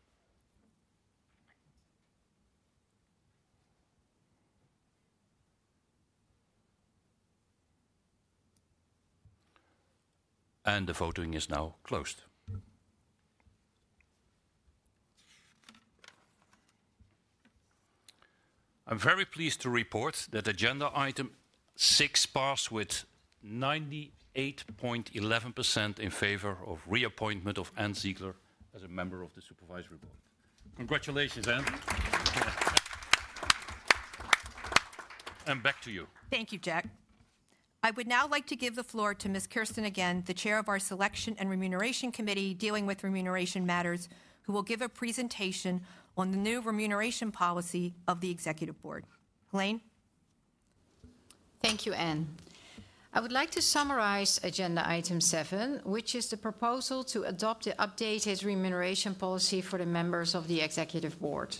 The voting is now closed. I'm very pleased to report that agenda item 6 passed with 98.11% in favor of reappointment of Ann Ziegler as a member of the Supervisory Board. Congratulations, Ann. Back to you. Thank you, Jack. I would now like to give the floor to Ms. Kirsten again, the Chair of our Selection and Remuneration Committee dealing with remuneration matters, who will give a presentation on the new remuneration policy of the Executive Board. Heleen? Thank you, Ann. I would like to summarize agenda item 7, which is the proposal to adopt the updated remuneration policy for the members of the Executive Board.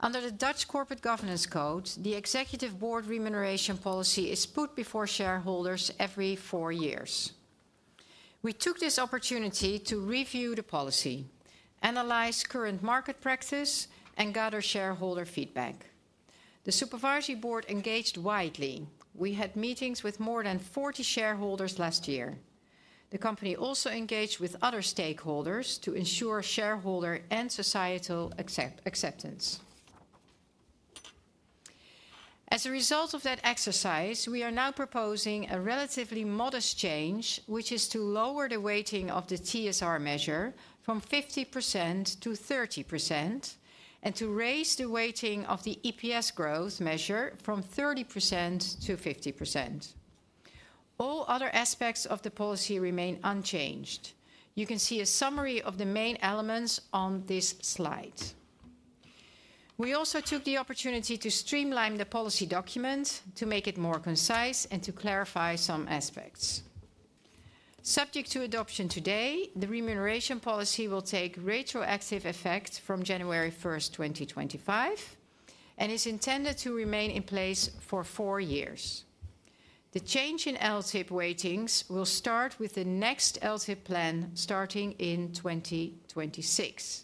Under the Dutch Corporate Governance Code, the Executive Board remuneration policy is put before shareholders every four years. We took this opportunity to review the policy, analyze current market practice, and gather shareholder feedback. The Supervisory Board engaged widely. We had meetings with more than 40 shareholders last year. The company also engaged with other stakeholders to ensure shareholder and societal acceptance. As a result of that exercise, we are now proposing a relatively modest change, which is to lower the weighting of the TSR measure from 50% to 30% and to raise the weighting of the EPS growth measure from 30% to 50%. All other aspects of the policy remain unchanged. You can see a summary of the main elements on this slide. We also took the opportunity to streamline the policy document to make it more concise and to clarify some aspects. Subject to adoption today, the remuneration policy will take retroactive effect from January 1, 2025, and is intended to remain in place for four years. The change in LTIP weightings will start with the next LTIP plan starting in 2026.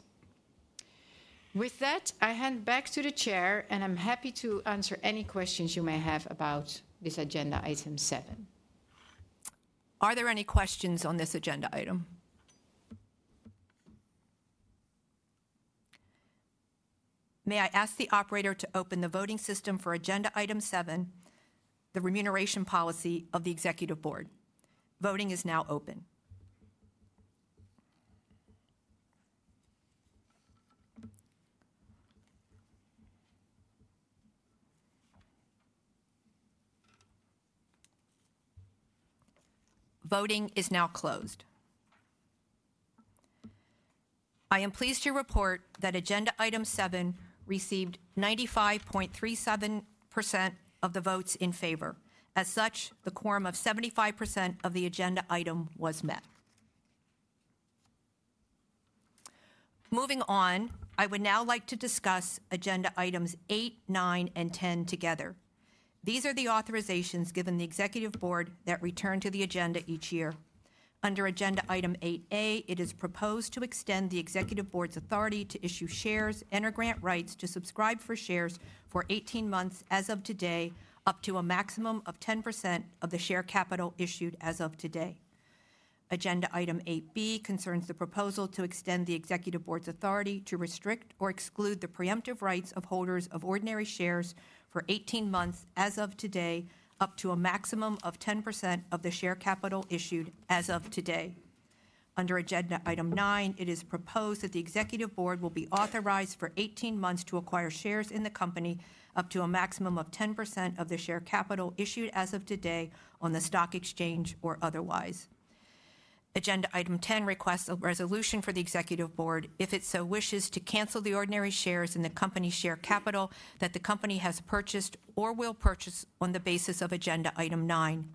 With that, I hand back to the Chair, and I'm happy to answer any questions you may have about this agenda item seven. Are there any questions on this agenda item? May I ask the operator to open the voting system for agenda item seven, the remuneration policy of the Executive Board? Voting is now open. Voting is now closed. I am pleased to report that agenda item seven received 95.37% of the votes in favor. As such, the quorum of 75% of the agenda item was met. Moving on, I would now like to discuss agenda items eight, nine, and 10 together. These are the authorizations given the Executive Board that return to the agenda each year. Under agenda item 8A, it is proposed to extend the Executive Board's authority to issue shares and/or grant rights to subscribe for shares for 18 months as of today, up to a maximum of 10% of the share capital issued as of today. Agenda item 8B concerns the proposal to extend the Executive Board's authority to restrict or exclude the preemptive rights of holders of ordinary shares for 18 months as of today, up to a maximum of 10% of the share capital issued as of today. Under agenda item nine, it is proposed that the Executive Board will be authorized for 18 months to acquire shares in the company up to a maximum of 10% of the share capital issued as of today on the stock exchange or otherwise. Agenda item 10 requests a resolution for the Executive Board, if it so wishes, to cancel the ordinary shares in the company's share capital that the company has purchased or will purchase on the basis of agenda item nine.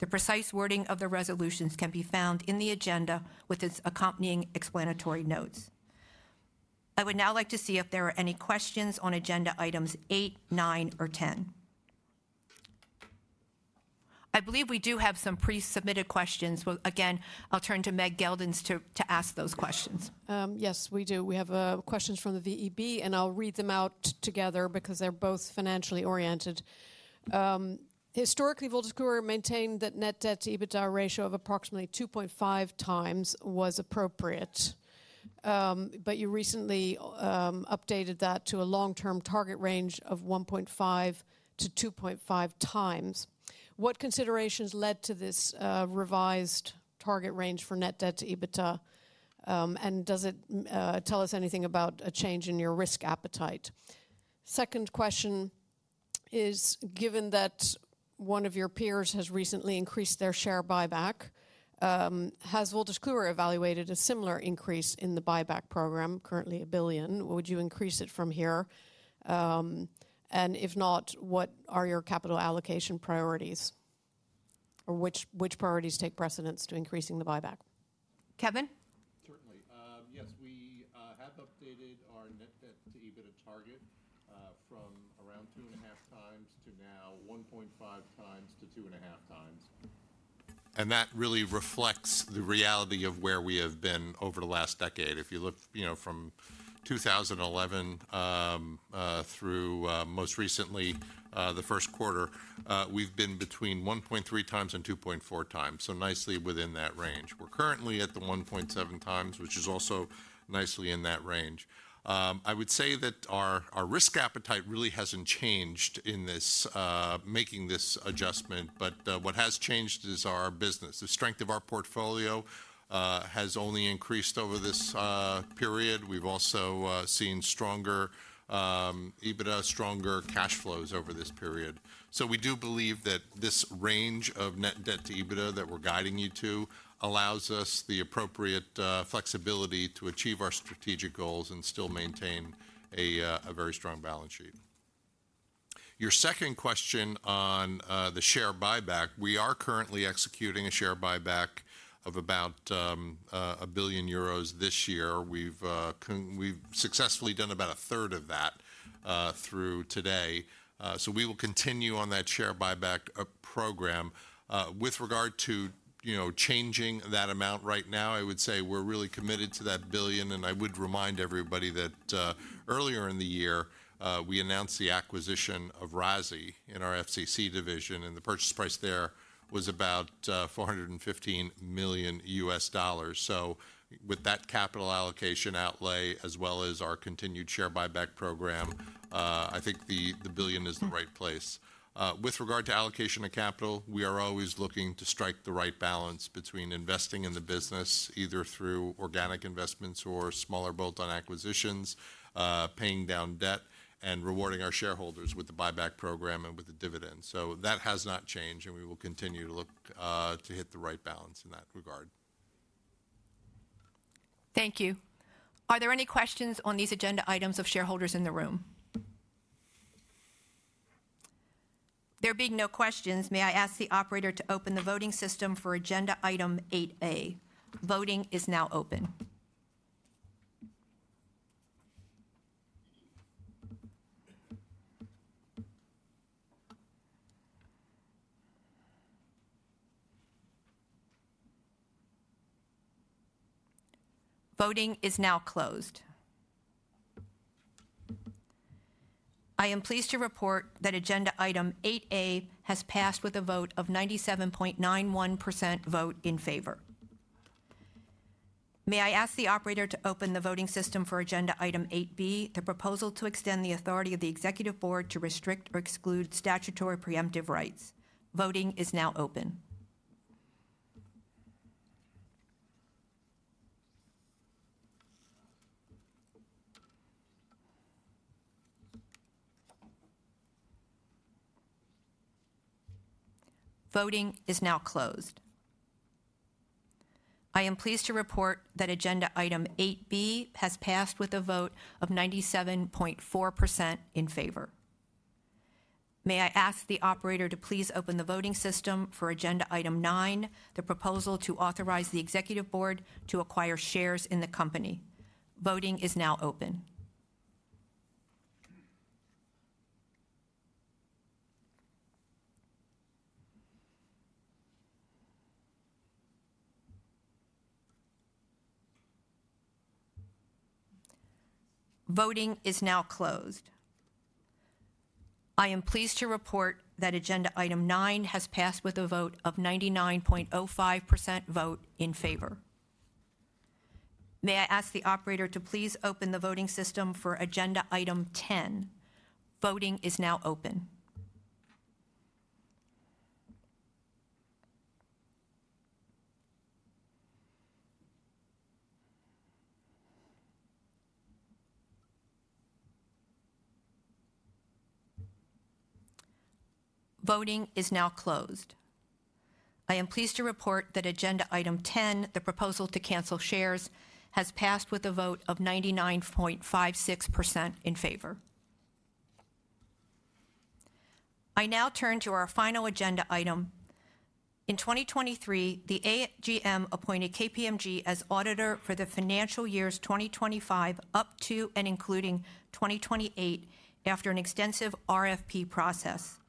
The precise wording of the resolutions can be found in the agenda with its accompanying explanatory notes. I would now like to see if there are any questions on agenda items eight, nine, or 10. I believe we do have some pre-submitted questions. Again, I'll turn to Meg Geldens to ask those questions. Yes, we do. We have questions from the VEB, and I'll read them out together because they're both financially oriented. Historically, Wolters Kluwer maintained that net debt to EBITDA ratio of approximately 2.5x was appropriate, but you recently updated that to a long-term target range of 1.5x-2.5x. What considerations led to this revised target range for net debt to EBITDA? Does it tell us anything about a change in your risk appetite? Second question is, given that one of your peers has recently increased their share buyback, has Wolters Kluwer evaluated a similar increase in the buyback program, currently 1 billion? Would you increase it from here? If not, what are your capital allocation priorities? Which priorities take precedence to increasing the buyback? Kevin? Certainly. Yes, we have updated our net debt to EBITDA target from around 2.5x to now 1.5x-2.5x. That really reflects the reality of where we have been over the last decade. If you look from 2011 through most recently the first quarter, we have been between 1.3x and 2.4x, so nicely within that range. We're currently at the 1.7x, which is also nicely in that range. I would say that our risk appetite really hasn't changed in making this adjustment, but what has changed is our business. The strength of our portfolio has only increased over this period. We've also seen stronger EBITDA, stronger cash flows over this period. We do believe that this range of net debt to EBITDA that we're guiding you to allows us the appropriate flexibility to achieve our strategic goals and still maintain a very strong balance sheet. Your second question on the share buyback, we are currently executing a share buyback of about 1 billion euros this year. We've successfully done about a third of that through today. We will continue on that share buyback program. With regard to changing that amount right now, I would say we're really committed to that billion. I would remind everybody that earlier in the year, we announced the acquisition of RASi in our FCC division, and the purchase price there was about $415 million. With that capital allocation outlay, as well as our continued share buyback program, I think the billion is the right place. With regard to allocation of capital, we are always looking to strike the right balance between investing in the business, either through organic investments or smaller bolt-on acquisitions, paying down debt, and rewarding our shareholders with the buyback program and with the dividends. That has not changed, and we will continue to look to hit the right balance in that regard. Thank you. Are there any questions on these agenda items of shareholders in the room? There being no questions, may I ask the operator to open the voting system for agenda item 8A? Voting is now open. Voting is now closed. I am pleased to report that agenda item 8A has passed with a vote of 97.91% in favor. May I ask the operator to open the voting system for agenda item 8B, the proposal to extend the authority of the Executive Board to restrict or exclude statutory preemptive rights? Voting is now open. Voting is now closed. I am pleased to report that agenda item 8B has passed with a vote of 97.4% in favor. May I ask the operator to please open the voting system for agenda item 9, the proposal to authorize the Executive Board to acquire shares in the company? Voting is now open. Voting is now closed. I am pleased to report that agenda item 9 has passed with a vote of 99.05% in favor. May I ask the operator to please open the voting system for agenda item 10? Voting is now open. Voting is now closed. I am pleased to report that agenda item 10, the proposal to cancel shares, has passed with a vote of 99.56% in favor. I now turn to our final agenda item. In 2023, the AGM appointed KPMG as auditor for the financial years 2025 up to and including 2028 after an extensive RFP process.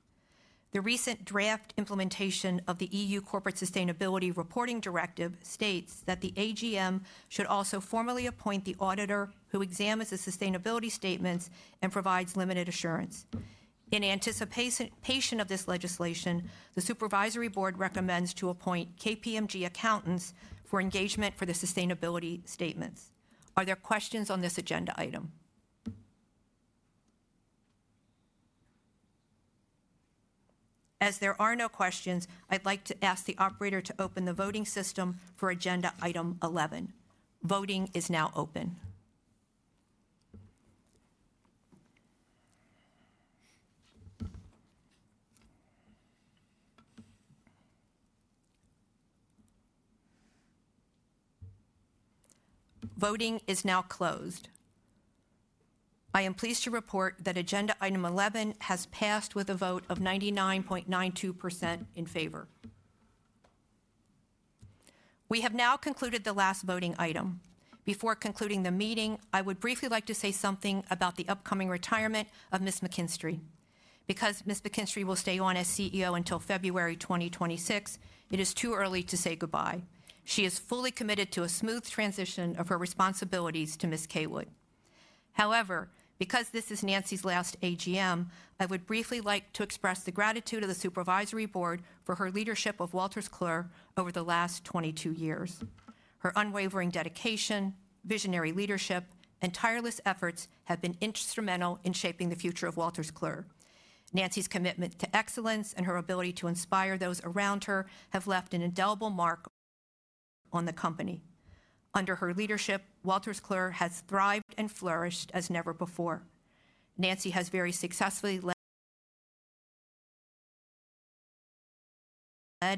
The recent draft implementation of the EU Corporate Sustainability Reporting Directive states that the AGM should also formally appoint the auditor who examines the sustainability statements and provides limited assurance. In anticipation of this legislation, the Supervisory Board recommends to appoint KPMG Accountants for engagement for the sustainability statements. Are there questions on this agenda item? As there are no questions, I'd like to ask the operator to open the voting system for agenda item 11. Voting is now open. Voting is now closed. I am pleased to report that agenda item 11 has passed with a vote of 99.92% in favor. We have now concluded the last voting item. Before concluding the meeting, I would briefly like to say something about the upcoming retirement of Ms. McKinstry. Because Ms. McKinstry will stay on as CEO until February 2026, it is too early to say goodbye. She is fully committed to a smooth transition of her responsibilities to Ms. Caywood. However, because this is Nancy's last AGM, I would briefly like to express the gratitude of the Supervisory Board for her leadership of Wolters Kluwer over the last 22 years. Her unwavering dedication, visionary leadership, and tireless efforts have been instrumental in shaping the future of Wolters Kluwer. Nancy's commitment to excellence and her ability to inspire those around her have left an indelible mark on the company. Under her leadership, Wolters Kluwer has thrived and flourished as never before. Nancy has very successfully led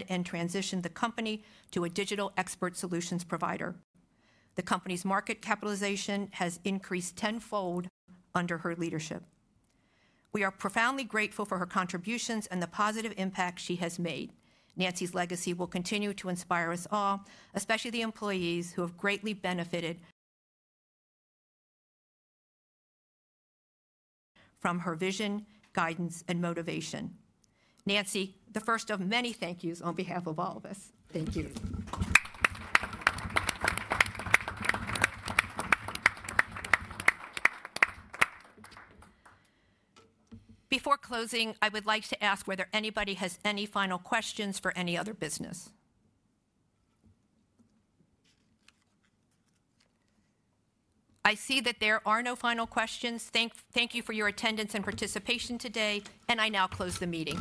and transitioned the company to a digital expert solutions provider. The company's market capitalization has increased tenfold under her leadership. We are profoundly grateful for her contributions and the positive impact she has made. Nancy's legacy will continue to inspire us all, especially the employees who have greatly benefited from her vision, guidance, and motivation. Nancy, the first of many thank yous on behalf of all of us. Thank you. Before closing, I would like to ask whether anybody has any final questions for any other business. I see that there are no final questions. Thank you for your attendance and participation today, and I now close the meeting.